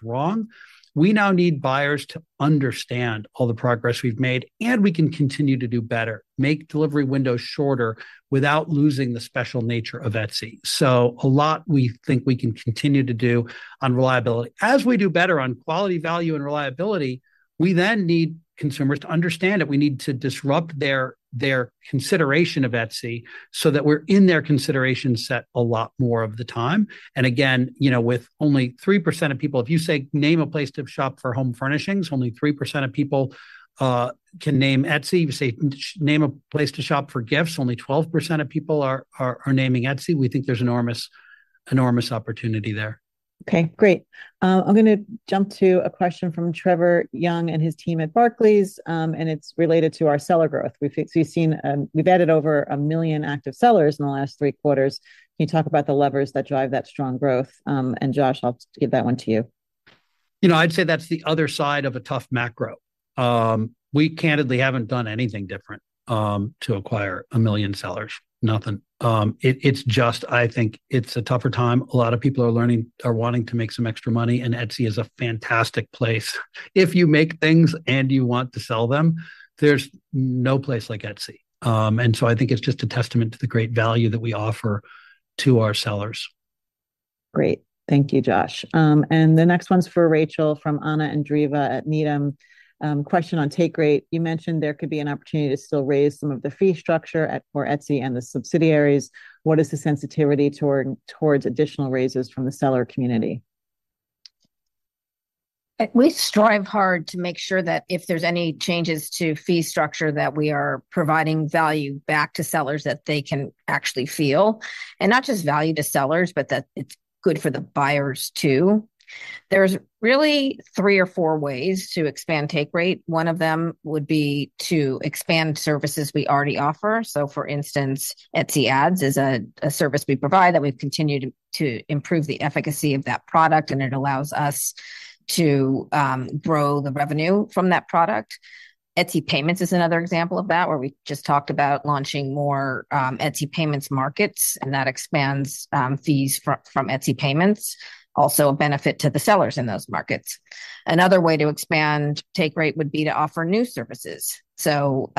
Speaker 2: wrong. We now need buyers to understand all the progress we've made, and we can continue to do better, make delivery windows shorter without losing the special nature of Etsy. So a lot we think we can continue to do on reliability. As we do better on quality, value, and reliability, we then need consumers to understand that we need to disrupt their consideration of Etsy, so that we're in their consideration set a lot more of the time. And again, you know, with only 3% of people... If you say, "Name a place to shop for home furnishings," only 3% of people can name Etsy. You say, "Name a place to shop for gifts," only 12% of people are naming Etsy. We think there's enormous, enormous opportunity there.
Speaker 1: Okay, great. I'm gonna jump to a question from Trevor Young and his team at Barclays, and it's related to our seller growth. We've seen we've added over 1 million active sellers in the last three quarters. Can you talk about the levers that drive that strong growth? And Josh, I'll give that one to you.
Speaker 2: You know, I'd say that's the other side of a tough macro. We candidly haven't done anything different to acquire 1 million sellers. Nothing. It, it's just, I think it's a tougher time. A lot of people are wanting to make some extra money, and Etsy is a fantastic place. If you make things and you want to sell them, there's no place like Etsy. And so I think it's just a testament to the great value that we offer to our sellers.
Speaker 1: Great. Thank you, Josh. And the next one's for Rachel from Anna Andreeva at Needham. Question on take rate. You mentioned there could be an opportunity to still raise some of the fee structure at, for Etsy and the subsidiaries. What is the sensitivity toward, towards additional raises from the seller community?
Speaker 4: We strive hard to make sure that if there's any changes to fee structure, that we are providing value back to sellers that they can actually feel. And not just value to sellers, but that it's good for the buyers, too. There's really three or four ways to expand take rate. One of them would be to expand services we already offer. So for instance, Etsy Ads is a service we provide that we've continued to improve the efficacy of that product, and it allows us to grow the revenue from that product. Etsy Payments is another example of that, where we just talked about launching more Etsy Payments markets, and that expands fees from Etsy Payments, also a benefit to the sellers in those markets. Another way to expand take rate would be to offer new services. So,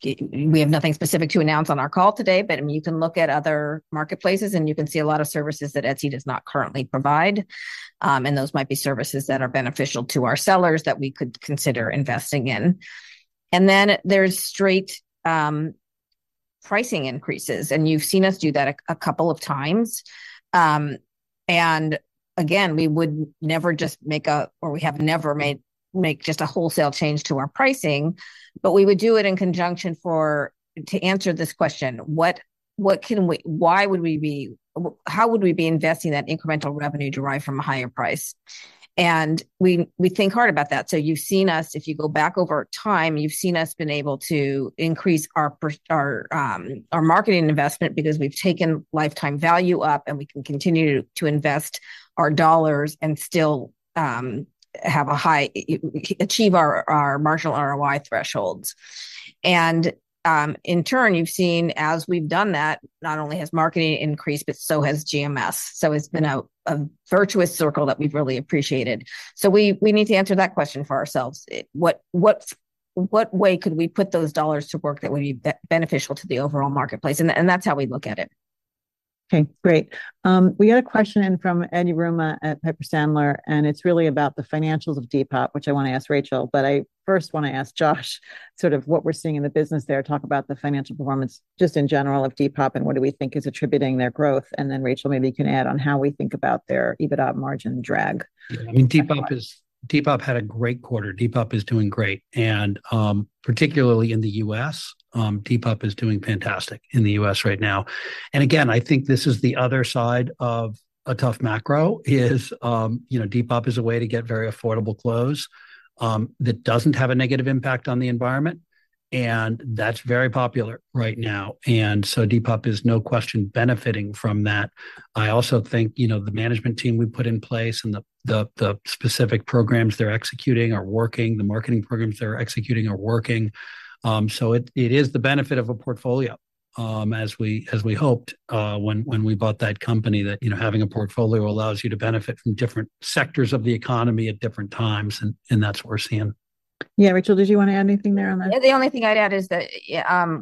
Speaker 4: we have nothing specific to announce on our call today, but, I mean, you can look at other marketplaces, and you can see a lot of services that Etsy does not currently provide. And those might be services that are beneficial to our sellers that we could consider investing in. And then there's straight pricing increases, and you've seen us do that a couple of times. And again, we would never just make a-- or we have never made, make just a wholesale change to our pricing, but we would do it in conjunction for... To answer this question: What can we-- why would we be-- how would we be investing that incremental revenue derived from a higher price? And we think hard about that. You've seen us, if you go back over time, you've seen us be able to increase our per, our marketing investment because we've taken lifetime value up, and we can continue to invest our dollars and still have a high—achieve our marginal ROI thresholds. In turn, you've seen, as we've done that, not only has marketing increased, but so has GMS. It's been a virtuous circle that we've really appreciated. We need to answer that question for ourselves. What way could we put those dollars to work that would be beneficial to the overall marketplace? That's how we look at it.
Speaker 1: Okay, great. We got a question in from Edward Yruma at Piper Sandler, and it's really about the financials of Depop, which I want to ask Rachel. But I first want to ask Josh sort of what we're seeing in the business there. Talk about the financial performance, just in general, of Depop, and what do we think is attributing their growth. And then, Rachel, maybe you can add on how we think about their EBITDA margin drag.
Speaker 2: Yeah, I mean, Depop is... Depop had a great quarter. Depop is doing great, and particularly in the U.S., Depop is doing fantastic in the U.S. right now. And again, I think this is the other side of a tough macro is, you know, Depop is a way to get very affordable clothes that doesn't have a negative impact on the environment, and that's very popular right now. And so Depop is, no question, benefiting from that. I also think, you know, the management team we put in place and the, the, the specific programs they're executing are working, the marketing programs they're executing are working. So it is the benefit of a portfolio, as we hoped, when we bought that company, you know, having a portfolio allows you to benefit from different sectors of the economy at different times, and that's what we're seeing.
Speaker 1: Yeah. Rachel, did you want to add anything there on that?
Speaker 4: The only thing I'd add is that,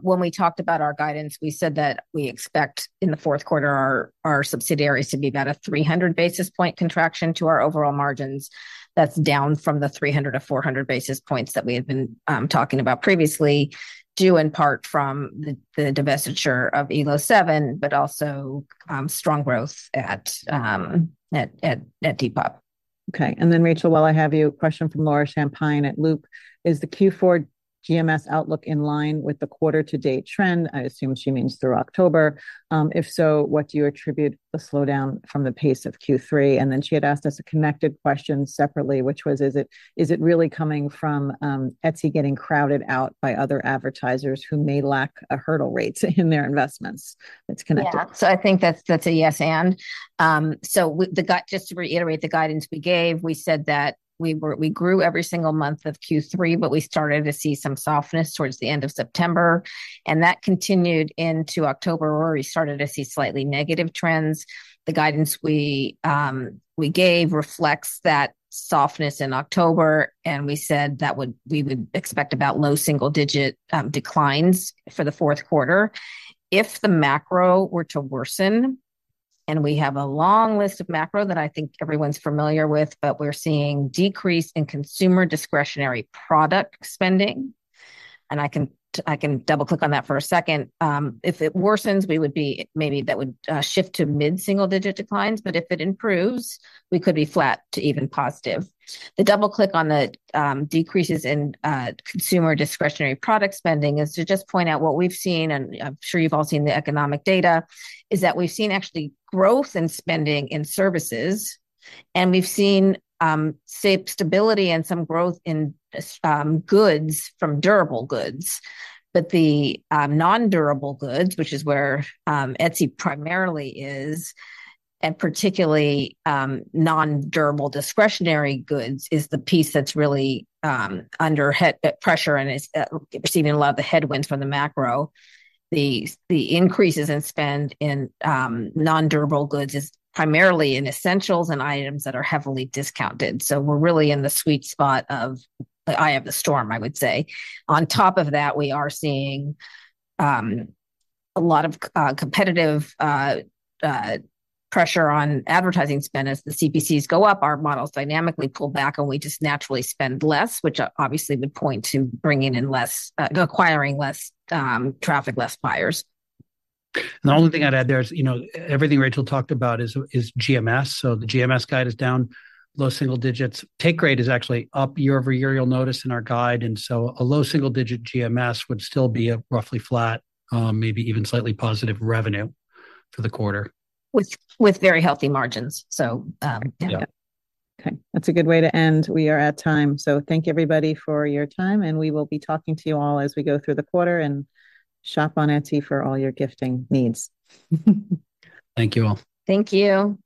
Speaker 4: when we talked about our guidance, we said that we expect in the fourth quarter our subsidiaries to be about a 300 basis point contraction to our overall margins. That's down from the 300-400 basis points that we had been talking about previously, due in part from the divestiture of Elo7, but also strong growth at Depop.
Speaker 1: Okay, and then, Rachel, while I have you, a question from Laura Champine at Loop: Is the Q4 GMS outlook in line with the quarter-to-date trend? I assume she means through October. If so, what do you attribute the slowdown from the pace of Q3? And then she had asked us a connected question separately, which was: Is it, is it really coming from Etsy getting crowded out by other advertisers who may lack a hurdle rates in their investments? That's connected.
Speaker 4: Yeah. So I think that's, that's a yes, and. So just to reiterate the guidance we gave, we said that we grew every single month of Q3, but we started to see some softness towards the end of September, and that continued into October, where we started to see slightly negative trends. The guidance we gave reflects that softness in October, and we said we would expect about low single digit declines for the fourth quarter. If the macro were to worsen, and we have a long list of macro that I think everyone's familiar with, but we're seeing decrease in consumer discretionary product spending, and I can, I can double-click on that for a second. If it worsens, we would be... Maybe that would shift to mid-single digit declines, but if it improves, we could be flat to even positive. The double-click on the decreases in consumer discretionary product spending is to just point out what we've seen, and I'm sure you've all seen the economic data, is that we've seen actually growth in spending in services, and we've seen safe stability and some growth in goods from durable goods. But the non-durable goods, which is where Etsy primarily is, and particularly non-durable discretionary goods, is the piece that's really under pressure and is receiving a lot of the headwinds from the macro. The increases in spend in non-durable goods is primarily in essentials and items that are heavily discounted, so we're really in the sweet spot of the eye of the storm, I would say. On top of that, we are seeing a lot of competitive pressure on advertising spend. As the CPCs go up, our models dynamically pull back, and we just naturally spend less, which obviously would point to bringing in less, acquiring less traffic, less buyers.
Speaker 2: The only thing I'd add there is, you know, everything Rachel talked about is GMS, so the GMS guide is down, low single digits. Take rate is actually up year-over-year, you'll notice in our guide, and so a low single digit GMS would still be a roughly flat, maybe even slightly positive revenue for the quarter.
Speaker 4: With very healthy margins. So, yeah.
Speaker 2: Yeah.
Speaker 1: Okay, that's a good way to end. We are at time. So thank you, everybody, for your time, and we will be talking to you all as we go through the quarter, and shop on Etsy for all your gifting needs.
Speaker 2: Thank you, all.
Speaker 4: Thank you.